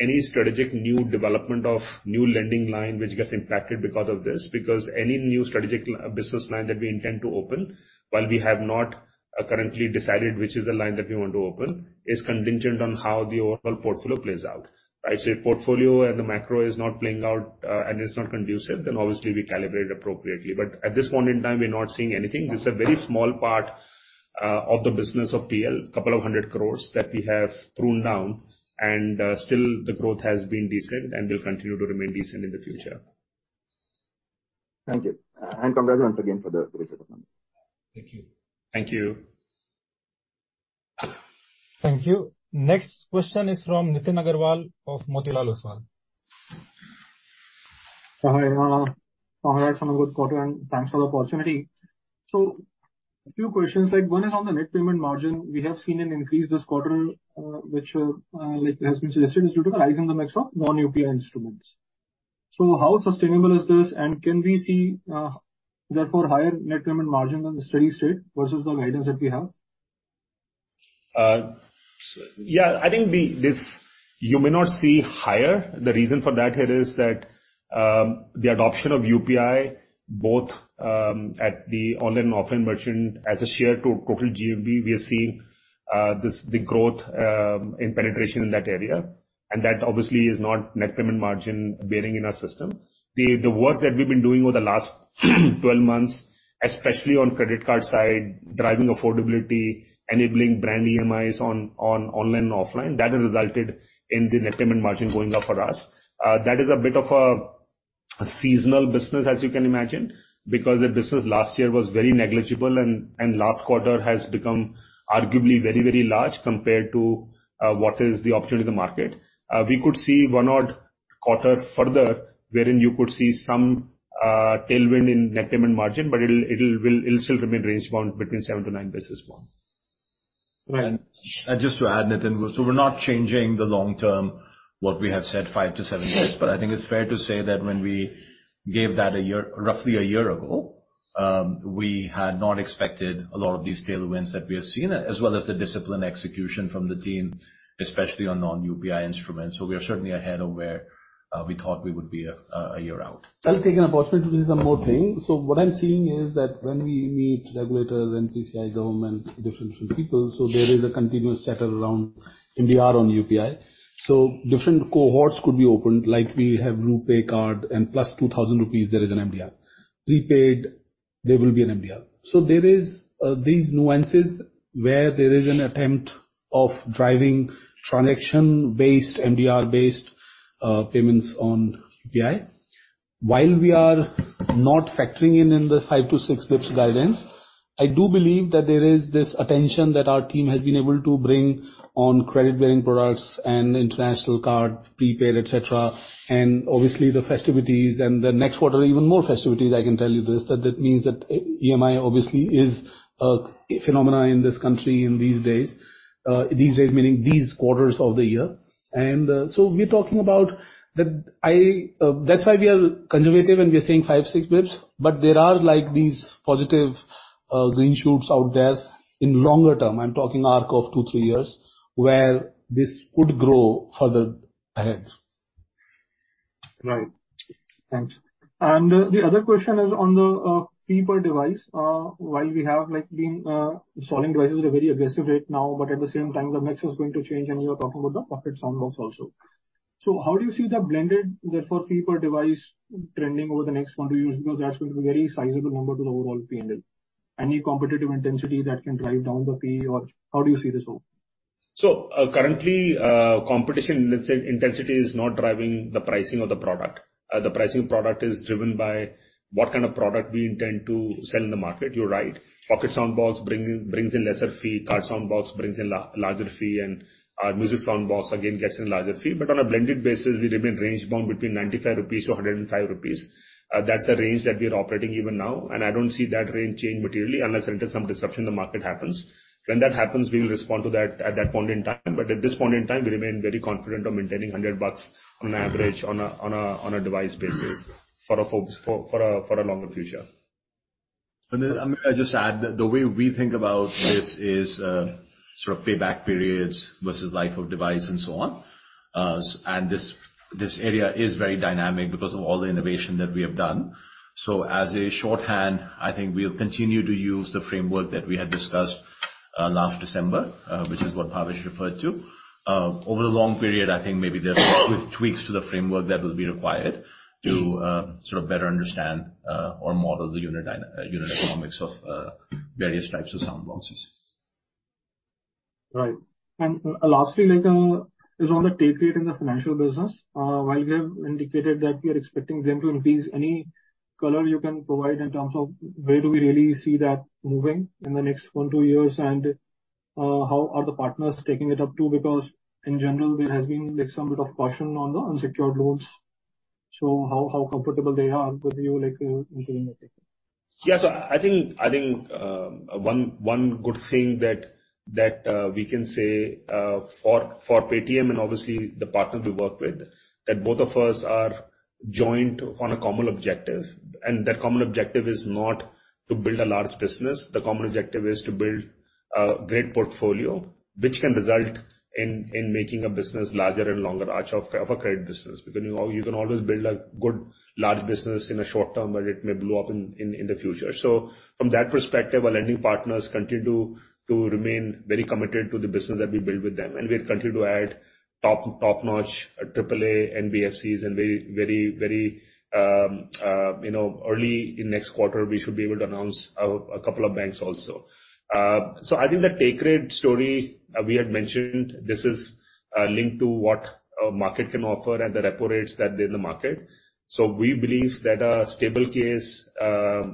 any strategic new development of new lending line which gets impacted because of this, because any new strategic business line that we intend to open, while we have not currently decided which is the line that we want to open, is contingent on how the overall portfolio plays out, right? Say, portfolio and the macro is not playing out and it's not conducive, then obviously we calibrate appropriately. At this point in time, we're not seeing anything. This is a very small part of the business of PL, 200 crore that we have pruned down, and still the growth has been decent and will continue to remain decent in the future. Thank you. Congrats once again for the great set of numbers. Thank you. Thank you. Thank you. Next question is from Nitin Agarwal of Motilal Oswal. Hi, congrats on a good quarter, and thanks for the opportunity. So a few questions, like, one is on the net payment margin. We have seen an increase this quarter, which, like has been suggested, is due to the rise in the mix of non-UPI instruments. So how sustainable is this? And can we see, therefore, higher net payment margin than the steady state versus the guidance that we have? Yeah, I think this, you may not see higher. The reason for that here is that, the adoption of UPI, both, at the online and offline merchant, as a share to total GMV, we are seeing, this, the growth, in penetration in that area, and that obviously is not net payment margin bearing in our system. The, the work that we've been doing over the last 12 months, especially on credit card side, driving affordability, enabling brand EMIs on, on online and offline, that has resulted in the net payment margin going up for us. That is a bit of a seasonal business, as you can imagine, because the business last year was very negligible, and, and last quarter has become arguably very large compared to, what is the opportunity in the market. We could see one odd quarter further, wherein you could see some tailwind in net payment margin, but it'll still remain range bound between 7-9 basis points. Right. And just to add, Nitin, so we're not changing the long term, what we have said, five to seven years. But I think it's fair to say that when we gave that a year, roughly a year ago, we had not expected a lot of these tailwinds that we have seen, as well as the disciplined execution from the team, especially on non-UPI instruments. So we are certainly ahead of where we thought we would be a year out. I'll take an opportunity to raise one more thing. So what I'm seeing is that when we meet regulators, NPCI, government, different, different people, so there is a continuous chatter around MDR on UPI. So different cohorts could be opened, like we have RuPay card and plus 2,000 rupees, there is an MDR. Prepaid, there will be an MDR. So there is, these nuances where there is an attempt of driving transaction-based, MDR-based, payments on UPI. While we are not factoring in, in the 5-6 basis points guidance, I do believe that there is this attention that our team has been able to bring on credit-bearing products and international card, prepaid, etc. And obviously, the festivities and the next quarter, even more festivities, I can tell you this, that it means that EMI obviously is a phenomenon in this country in these days. These days, meaning these quarters of the year. We're talking about the, that's why we are conservative and we are saying 5-6 basis points. There are, like, these positive, green shoots out there in longer term. I'm talking arc of two to three years, where this could grow further ahead. Right. Thanks. The other question is on the fee per device. While we have, like, been selling devices at a very aggressive rate now, but at the same time, the mix is going to change and you are talking about the Pocket Soundbox also. So how do you see the blended, therefore, fee per device trending over the next one to two years? Because that's going to be a very sizable number to the overall P&L. Any competitive intensity that can drive down the fee, or how do you see this all? So, currently, competition, let's say, intensity is not driving the pricing of the product. The pricing of product is driven by what kind of product we intend to sell in the market. You're right, Pocket Soundbox bring, brings in lesser fee, Card Soundbox brings in larger fee, and Music Soundbox again, gets in larger fee. But on a blended basis, we remain range bound between 95-105 rupees. That's the range that we are operating even now, and I don't see that range change materially unless and until some disruption in the market happens. When that happens, we'll respond to that at that point in time. But at this point in time, we remain very confident of maintaining 100 bucks on average on a, on a, on a device basis for a for, for a, for a longer future. Then, Amit, I'll just add, the way we think about this is, sort of payback periods versus life of device and so on. And this, this area is very dynamic because of all the innovation that we have done. So as a shorthand, I think we'll continue to use the framework that we had discussed, last December, which is what Bhavesh referred to. Over the long period, I think maybe there's tweaks to the framework that will be required to, sort of better understand, or model the unit economics of, various types of Soundboxes. Right. Lastly, like, is on the take rate in the financial business. While we have indicated that we are expecting them to increase, any color you can provide in terms of where do we really see that moving in the next one, two years? And, how are the partners taking it up to? Because in general, there has been, like, some bit of caution on the unsecured loans. So how, how comfortable they are with you, like, in doing that? Yeah. So I think, one good thing that we can say for Paytm and obviously the partners we work with, that both of us are joined on a common objective. And that common objective is not to build a large business. The common objective is to build a great portfolio, which can result in making a business larger and longer arch of a credit business. Because you can always build a good large business in a short term, but it may blow up in the future. So from that perspective, our lending partners continue to remain very committed to the business that we build with them. And we'll continue to add top-notch AAA NBFCs and very early in next quarter, we should be able to announce a couple of banks also. So I think the take rate story, we had mentioned, this is linked to what a market can offer and the repo rates that are in the market. So we believe that a stable case,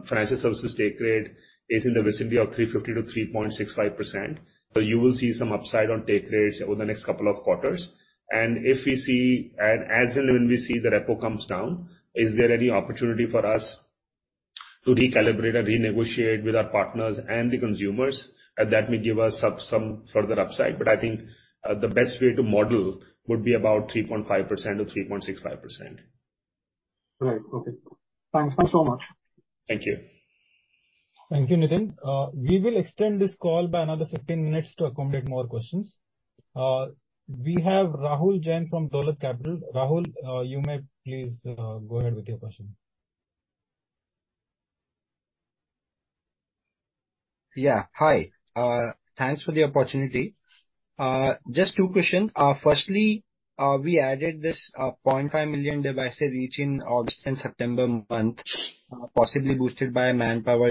financial services take rate is in the vicinity of 3.50%-3.65%. So you will see some upside on take rates over the next couple of quarters. And if we see, and as and when we see the repo comes down, is there any opportunity for us to recalibrate and renegotiate with our partners and the consumers? That may give us some further upside, but I think the best way to model would be about 3.5% or 3.65%. Right. Okay. Thanks so much. Thank you. Thank you, Nitin. We will extend this call by another 15 minutes to accommodate more questions. We have Rahul Jain from Dolat Capital. Rahul, you may please go ahead with your question. Yeah, hi. Thanks for the opportunity. Just two questions. Firstly, we added this 0.5 million devices each in August and September month, possibly boosted by manpower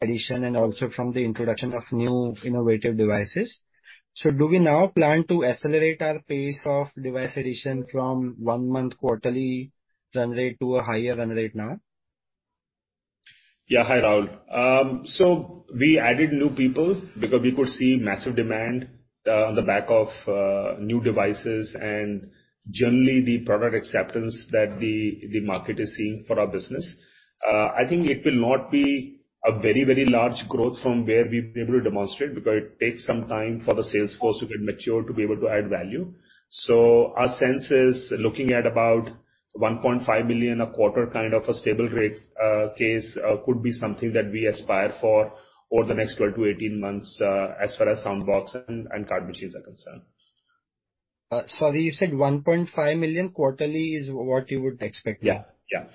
addition, and also from the introduction of new innovative devices. So do we now plan to accelerate our pace of device addition from one month quarterly run rate to a higher run rate now? Yeah. Hi, Rahul. So we added new people because we could see massive demand on the back of new devices and generally the product acceptance that the, the market is seeing for our business. I think it will not be a very, very large growth from where we've been able to demonstrate, because it takes some time for the sales force to get mature, to be able to add value. So our sense is looking at about 1.5 million a quarter, kind of a stable rate, case, could be something that we aspire for over the next 12-18 months, as far as Soundbox and card business are concerned. Sorry, you said 1.5 million quarterly is what you would expect? Yeah. Yeah.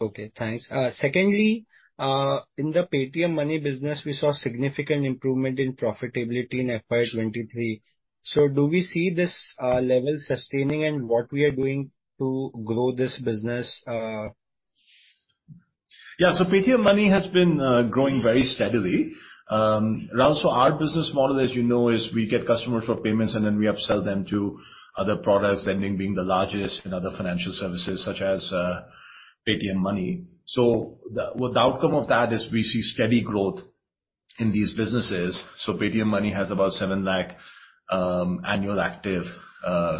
Okay, thanks. Secondly, in the Paytm Money business, we saw significant improvement in profitability in FY 2023. So do we see this level sustaining? And what we are doing to grow this business? Yeah. So Paytm Money has been growing very steadily. Rahul, so our business model, as you know, is we get customers for payments and then we upsell them to other products, lending being the largest in other financial services such as Paytm Money. So the outcome of that is we see steady growth in these businesses. So Paytm Money has about 700,000 annual active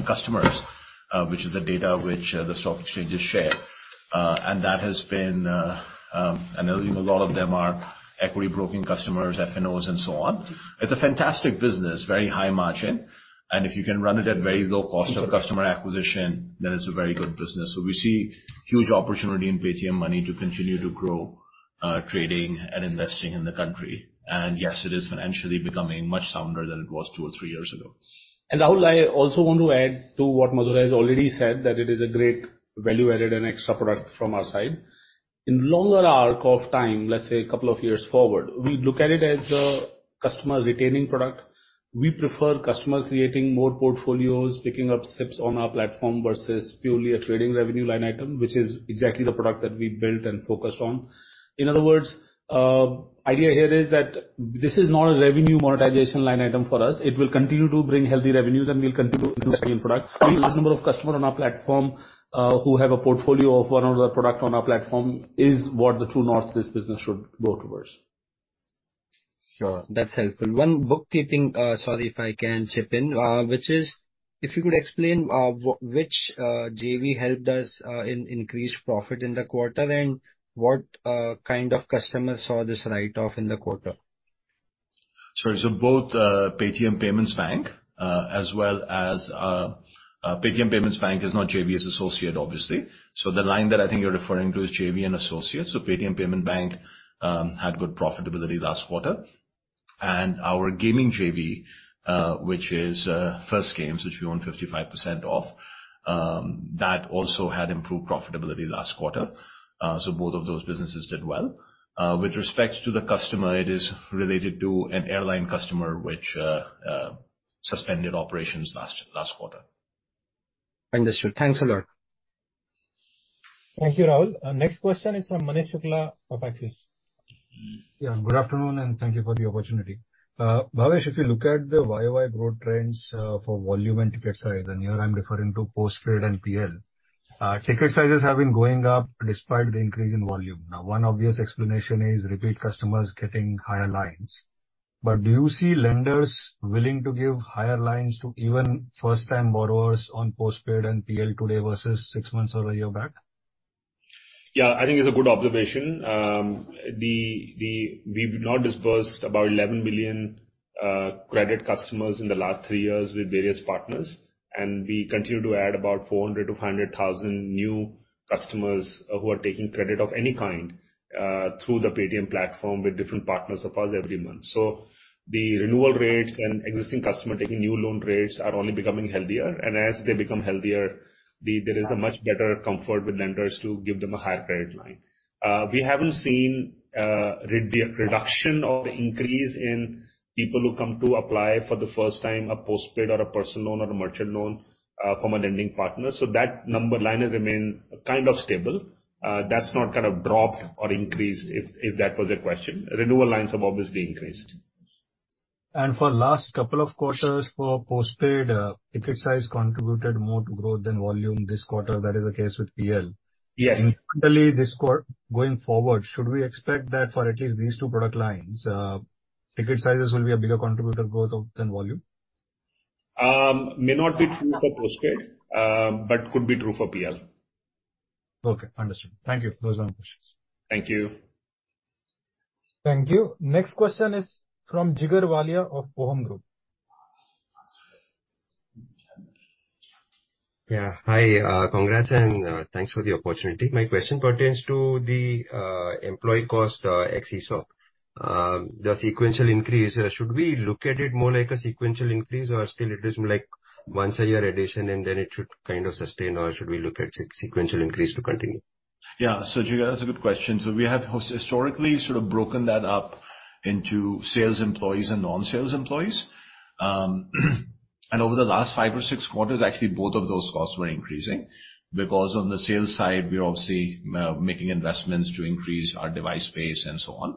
customers, which is the data which the stock exchanges share. And that has been and I believe a lot of them are equity broking customers, F&O, and so on. It's a fantastic business, very high margin, and if you can run it at very low cost of customer acquisition, then it's a very good business. So we see huge opportunity in Paytm Money to continue to grow trading and investing in the country. Yes, it is financially becoming much sounder than it was two or three years ago. Rahul, I also want to add to what Madhur has already said, that it is a great value-added and extra product from our side. In longer arc of time, let's say a couple of years forward, we look at it as a customer retaining product. We prefer customer creating more portfolios, picking up SIPs on our platform versus purely a trading revenue line item, which is exactly the product that we built and focused on. In other words, idea here is that this is not a revenue monetization line item for us. It will continue to bring healthy revenues, and we'll continue to sell products. Number of customers on our platform, who have a portfolio of one or other product on our platform is what the true north this business should go towards. Sure. That's helpful. One bookkeeping. Sorry, if I can chip in, which is, if you could explain, which JV helped us in increase profit in the quarter, and what kind of customer saw this write-off in the quarter? Sure. So both, Paytm Payments Bank, as well as, Paytm Payments Bank is not JV, it's associate, obviously. So the line that I think you're referring to is JV and associates. So Paytm Payments Bank had good profitability last quarter. And our gaming JV, which is, First Games, which we own 55% of, that also had improved profitability last quarter. So both of those businesses did well. With respect to the customer, it is related to an airline customer which suspended operations last quarter. Understood. Thanks a lot. Thank you, Rahul. Our next question is from Manish Shukla of Axis. Yeah, good afternoon, and thank you for the opportunity. Bhavesh, if you look at the Y-O-Y growth trends, for volume and ticket size, and here I'm referring to Postpaid and PL. Ticket sizes have been going up despite the increase in volume. Now, one obvious explanation is repeat customers getting higher lines. But do you see lenders willing to give higher lines to even first-time borrowers on Postpaid and PL today versus six months or a year back? Yeah, I think it's a good observation. We've now disbursed about 11 billion credit customers in the last three years with various partners, and we continue to add about 400,000-500,000 new customers who are taking credit of any kind through the Paytm platform with different partners of ours every month. So the renewal rates and existing customer taking new loan rates are only becoming healthier, and as they become healthier, there is a much better comfort with lenders to give them a higher credit line. We haven't seen the reduction or increase in people who come to apply for the first time, a postpaid or a personal loan or a merchant loan from a lending partner. So that number line has remained kind of stable. That's not kind of dropped or increased, if that was a question. Renewal lines have obviously increased. For last couple of quarters for postpaid, ticket size contributed more to growth than volume. This quarter, that is the case with PL. Yes. Currently, this quarter, going forward, should we expect that for at least these two product lines, ticket sizes will be a bigger contributor growth of than volume? May not be true for Postpaid, but could be true for PL. Okay, understood. Thank you. Those are my questions. Thank you. Thank you. Next question is from Jigar Walia of OHM Group. Yeah. Hi, congrats, and thanks for the opportunity. My question pertains to the employee cost, ex-ESOP. The sequential increase, should we look at it more like a sequential increase, or still it is more like once a year addition, and then it should kind of sustain, or should we look at sequential increase to continue? Yeah. So, Jigar, that's a good question. So we have historically sort of broken that up into sales employees and non-sales employees. And over the last five or six quarters, actually, both of those costs were increasing, because on the sales side, we're obviously making investments to increase our device base and so on.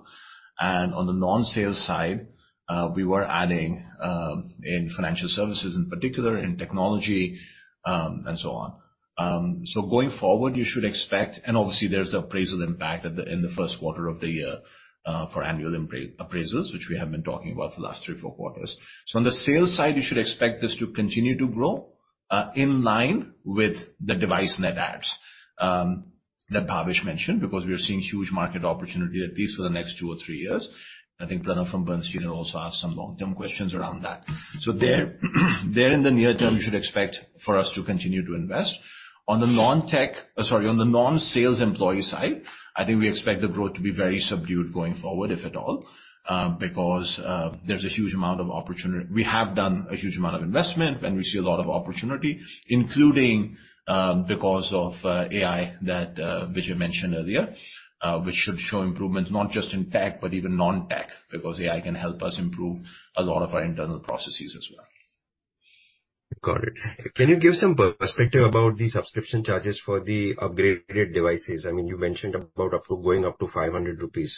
And on the non-sales side, we were adding in financial services, in particular in technology, and so on. So going forward, you should expect, and obviously there's the appraisal impact at the, in the first quarter of the year, for annual appraisals, which we have been talking about the last three, four quarters. So on the sales side, you should expect this to continue to grow in line with the device net adds that Bhavesh mentioned, because we are seeing huge market opportunity at least for the next two or three years. I think Pranav from Bernstein also asked some long-term questions around that. So there, there in the near term, you should expect for us to continue to invest. On the non-tech, sorry, on the non-sales employee side, I think we expect the growth to be very subdued going forward, if at all, because there's a huge amount of opportunity. We have done a huge amount of investment, and we see a lot of opportunity, including because of AI that Vijay mentioned earlier, which should show improvements not just in tech, but even non-tech. Because AI can help us improve a lot of our internal processes as well. Got it. Can you give some perspective about the subscription charges for the upgraded devices? I mean, you mentioned about up to going up to 500 rupees.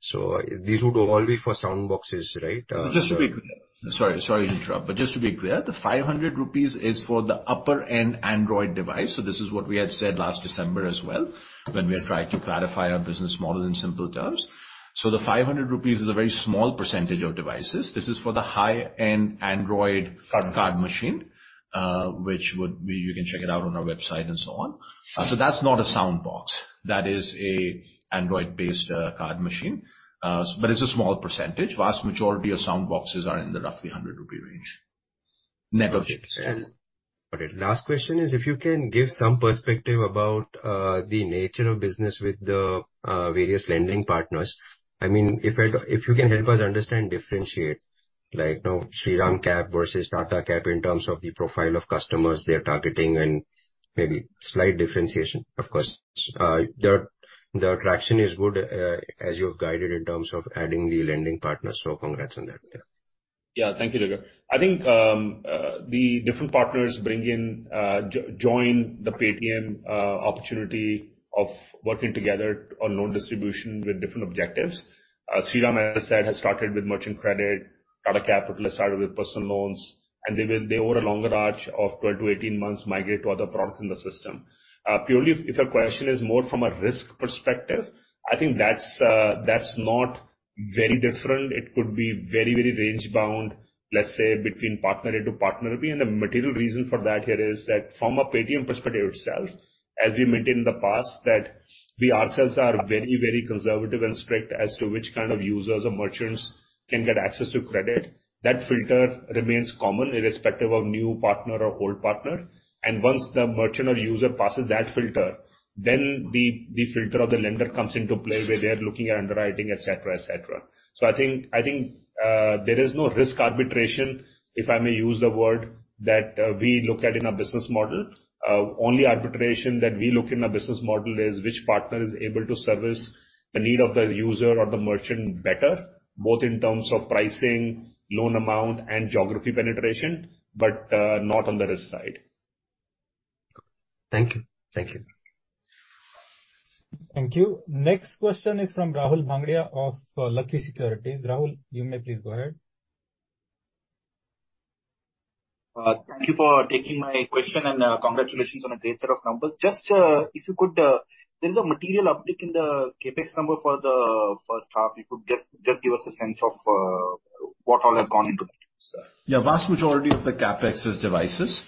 So these would all be for Soundboxes, right? Just to be clear, sorry to interrupt, but just to be clear, the 500 rupees is for the upper-end Android device. So this is what we had said last December as well, when we had tried to clarify our business model in simple terms. So the 500 rupees is a very small percentage of devices. This is for the high-end Android card machine, which would be. You can check it out on our website and so on. So that's not a Soundbox. That is an Android-based card machine, but it's a small percentage. Vast majority of Soundboxes are in the roughly 100 rupee range, net of GST. Okay. Last question is, if you can give some perspective about the nature of business with the various lending partners. I mean, if you can help us understand, differentiate, like, you know, Shriram Cap versus Tata Cap, in terms of the profile of customers they are targeting, and maybe slight differentiation. Of course, the attraction is good, as you have guided in terms of adding the lending partners, so congrats on that. Yeah. Thank you, Jigar. I think, the different partners bring in, join the Paytm, opportunity of working together on loan distribution with different objectives. Shriram, as I said, has started with merchant credit, Tata Capital has started with personal loans, and they will, over a longer arc of 12-18 months, migrate to other products in the system. Purely, if your question is more from a risk perspective, I think that's, that's not very different. It could be very, very range bound, let's say, between partner A to partner B, and the material reason for that here is that from a Paytm perspective itself, as we mentioned in the past, that we ourselves are very, very conservative and strict as to which kind of users or merchants can get access to credit. That filter remains common, irrespective of new partner or old partner, and once the merchant or user passes that filter, then the filter of the lender comes into play, where they are looking at underwriting, et cetera, et cetera. So I think there is no risk arbitration, if I may use the word, that we look at in our business model. Only arbitration that we look in our business model is which partner is able to service the need of the user or the merchant better, both in terms of pricing, loan amount, and geography penetration, but not on the risk side. Thank you. Thank you. Thank you. Next question is from Rahul Bhangadia of Lucky Securities. Rahul, you may please go ahead. Thank you for taking my question, and congratulations on a great set of numbers. Just, if you could, there is a material uptick in the CapEx number for the first half. You could just, just give us a sense of what all has gone into that, sir? Yeah. Vast majority of the CapEx is devices.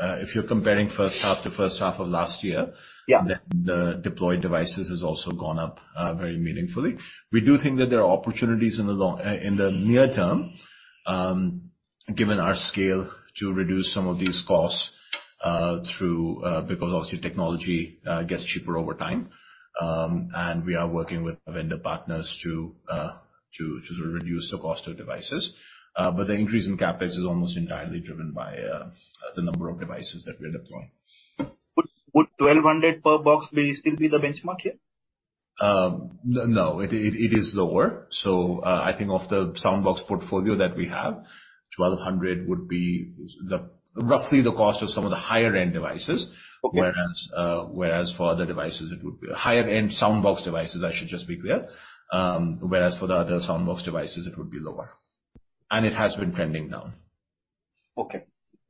If you're comparing first half to first half of last year- Yeah. Then the deployed devices has also gone up, very meaningfully. We do think that there are opportunities in the long, in the near term, given our scale, to reduce some of these costs, through, because obviously technology, gets cheaper over time. And we are working with vendor partners to, to, to reduce the cost of devices. But the increase in CapEx is almost entirely driven by, the number of devices that we are deploying. Would 1,200 per box still be the benchmark here? No, it is lower. So, I think of the Soundbox portfolio that we have, 1,200 would be roughly the cost of some of the higher-end devices. Okay. Whereas, whereas for other devices, it would be higher-end Soundbox devices, I should just be clear. Whereas for the other Soundbox devices, it would be lower. And it has been trending down. Okay.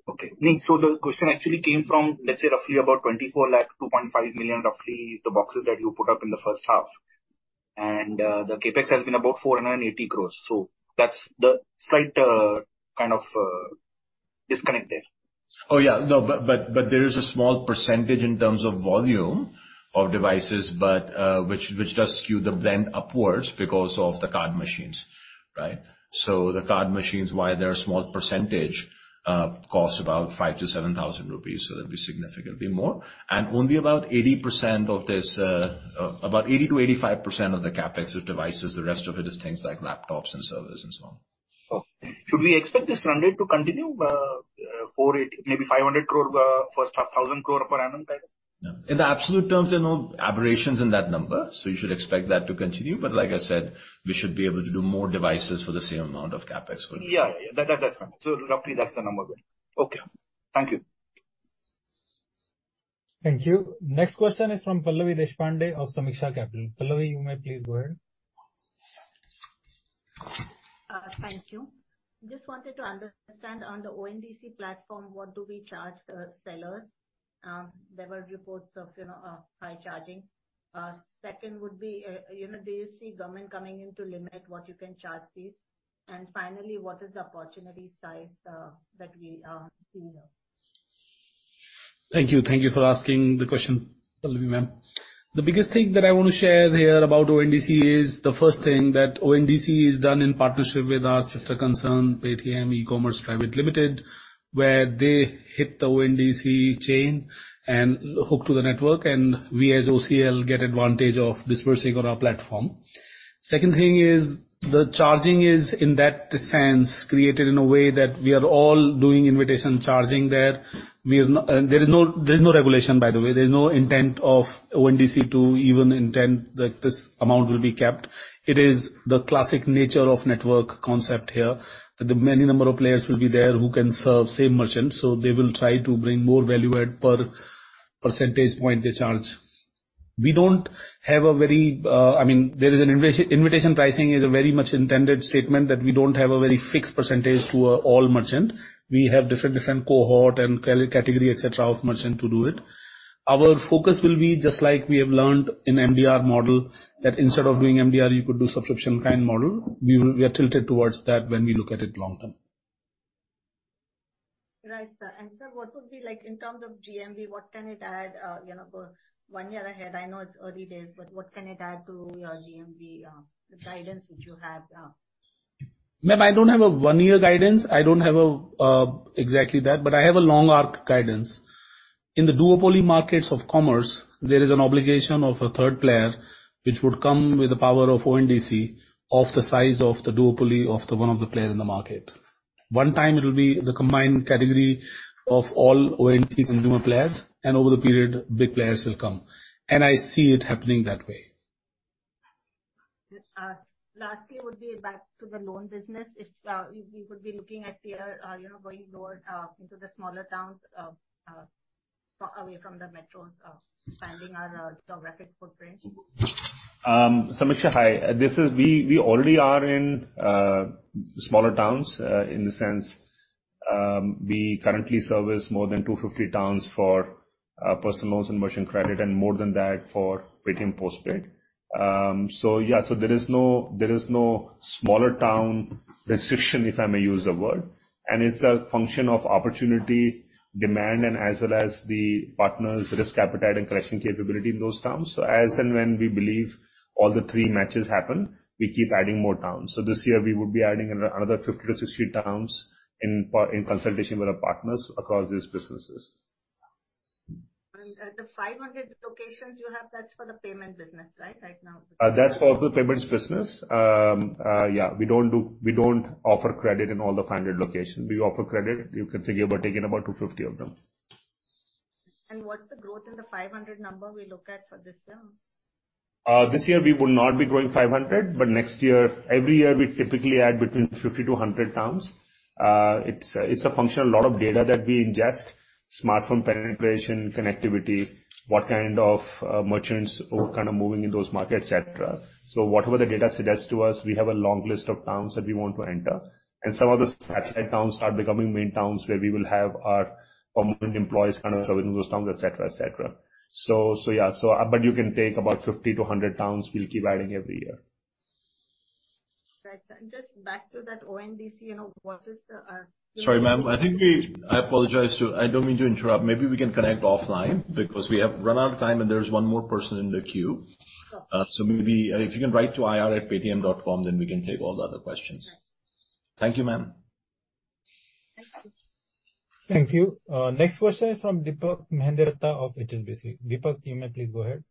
Okay. So the question actually came from, let's say, roughly about 24 lakh, 2.5 million, roughly, is the boxes that you put up in the first half. And the CapEx has been about 480 crore. So that's the slight kind of disconnect there. Oh, yeah. No, but there is a small percentage in terms of volume of devices, but which does skew the blend upwards because of the card machines, right? So the card machines, while they're a small percentage, cost about 5,000-7,000 rupees, so they'll be significantly more. And only about 80% of this, about 80%-85% of the CapEx are devices. The rest of it is things like laptops and servers and so on. Okay. Should we expect this trend to continue, 480 crore, maybe 500 crore first half, 1,000 crore per annum kind of? In the absolute terms, there are no aberrations in that number, so you should expect that to continue. Like I said, we should be able to do more devices for the same amount of CapEx going forward. Yeah, yeah, yeah. That, that's fine. So roughly that's the number then. Okay. Thank you. Thank you. Next question is from Pallavi Deshpande of Sameeksha Capital. Pallavi, you may please go ahead. Thank you. Just wanted to understand on the ONDC platform, what do we charge sellers? There were reports of, you know, high charging. Second would be, you know, do you see government coming in to limit what you can charge these? And finally, what is the opportunity size that we see here? Thank you. Thank you for asking the question, Pallavi, ma'am. The biggest thing that I want to share here about ONDC is the first thing that ONDC is done in partnership with our sister concern, Paytm E-commerce Private Limited, where they hit the ONDC chain and hook to the network, and we as OCL get advantage of dispersing on our platform. Second thing is, the charging is, in that sense, created in a way that we are all doing invitation charging there. We are not. There is no, there is no regulation, by the way. There's no intent of ONDC to even intend that this amount will be kept. It is the classic nature of network concept here, that the many number of players will be there who can serve same merchants, so they will try to bring more value at per percentage point they charge. We don't have a very, I mean, there is an innovative pricing is a very much intended statement that we don't have a very fixed percentage to all merchant. We have different, different cohort and category, et cetera, of merchant to do it. Our focus will be just like we have learned in MDR model, that instead of doing MDR, you could do subscription kind model. We are tilted towards that when we look at it long term. Right, sir. Sir, what would be like in terms of GMV, what can it add, you know, for one year ahead? I know it's early days, but what can it add to your GMV, the guidance which you have? Ma'am, I don't have a one-year guidance. I don't have a, exactly that, but I have a long arc guidance. In the duopoly markets of commerce, there is an obligation of a third player, which would come with the power of ONDC, of the size of the duopoly of the one of the players in the market. One time it will be the combined category of all ONDC consumer players, and over the period, big players will come, and I see it happening that way. Lastly, would be back to the loan business. If you would be looking at the, you know, going more into the smaller towns, far away from the metros, expanding our geographic footprint. Sameeksha, hi. We already are in smaller towns, in the sense, we currently service more than 250 towns for personal loans and merchant credit, and more than that for Paytm Postpaid. So yeah, so there is no smaller town restriction, if I may use the word, and it's a function of opportunity, demand, and as well as the partners' risk appetite and collection capability in those towns. So as and when we believe all the three matches happen, we keep adding more towns. So this year we would be adding another 50-60 towns in consultation with our partners across these businesses. The 500 locations you have, that's for the payment business, right? Right now. That's for the payments business. Yeah, we don't offer credit in all the 500 locations. We offer credit, you can think about taking about 250 of them. What's the growth in the 500 number we look at for this year? This year we will not be growing 500, but next year, every year, we typically add between 50-100 towns. It's a function of a lot of data that we ingest, smartphone penetration, connectivity, what kind of merchants are kind of moving in those markets, etc. So whatever the data suggests to us, we have a long list of towns that we want to enter. And some of the satellite towns start becoming main towns, where we will have our permanent employees kind of serving those towns, etc. So, yeah, so but you can take about 50-100 towns we'll keep adding every year. Right. And just back to that, ONDC, you know, what is the. Sorry, ma'am, I think we, I apologize to you. I don't mean to interrupt. Maybe we can connect offline, because we have run out of time, and there's one more person in the queue. Sure. So maybe if you can write to ir@paytm.com, then we can take all the other questions. Right. Thank you, ma'am. Thank you. Thank you. Next question is from Deepak of HSBC. Deepak, you may please go ahead.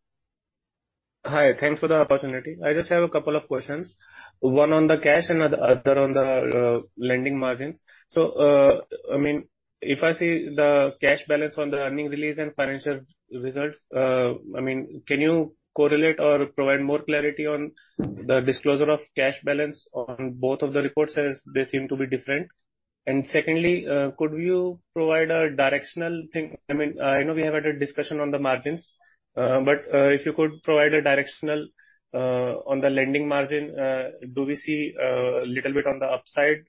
Hi, thanks for the opportunity. I just have a couple of questions, one on the cash and the other on the, lending margins. So, I mean, if I see the cash balance on the earnings release and financial results, I mean, can you correlate or provide more clarity on the disclosure of cash balance on both of the reports, as they seem to be different? And secondly, could you provide a directional thing? I mean, I know we have had a discussion on the margins, but, if you could provide a directional, on the lending margin, do we see, little bit on the upside,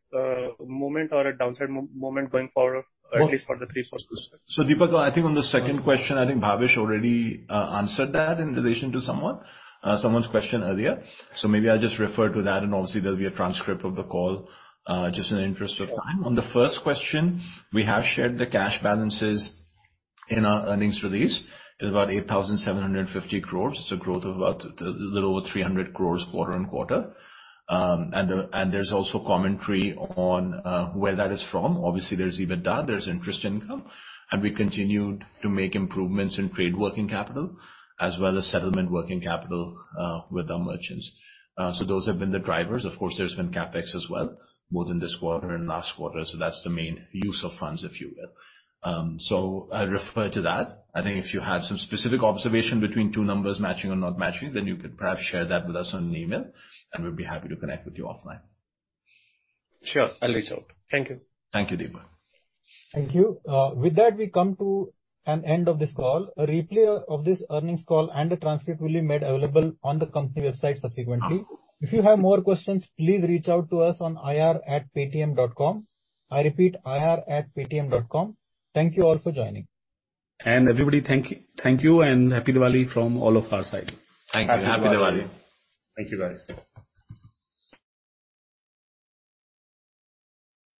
movement or a downside movement going forward, at least for the three first perspective? So, Deepak, I think on the second question, I think Bhavesh already answered that in relation to someone's question earlier. So maybe I'll just refer to that, and obviously there'll be a transcript of the call, just in the interest of time. Sure. On the first question, we have shared the cash balances in our earnings release. It's about 8,750 crores. It's a growth of about little over 300 crores quarter-on-quarter. And there's also commentary on where that is from. Obviously, there's EBITDA, there's interest income, and we continued to make improvements in trade working capital, as well as settlement working capital with our merchants. So those have been the drivers. Of course, there's been CapEx as well, both in this quarter and last quarter, so that's the main use of funds, if you will. So I refer to that. I think if you have some specific observation between two numbers matching or not matching, then you could perhaps share that with us in an email, and we'll be happy to connect with you offline. Sure, I'll reach out. Thank you. Thank you, Deepak. Thank you. With that, we come to an end of this call. A replay of this earnings call and a transcript will be made available on the company website subsequently. If you have more questions, please reach out to us on ir@paytm.com. I repeat, ir@paytm.com. Thank you all for joining. Everybody, thank you, and happy Diwali from all of our side. Thank you. Happy Diwali. Happy Diwali. Thank you, guys.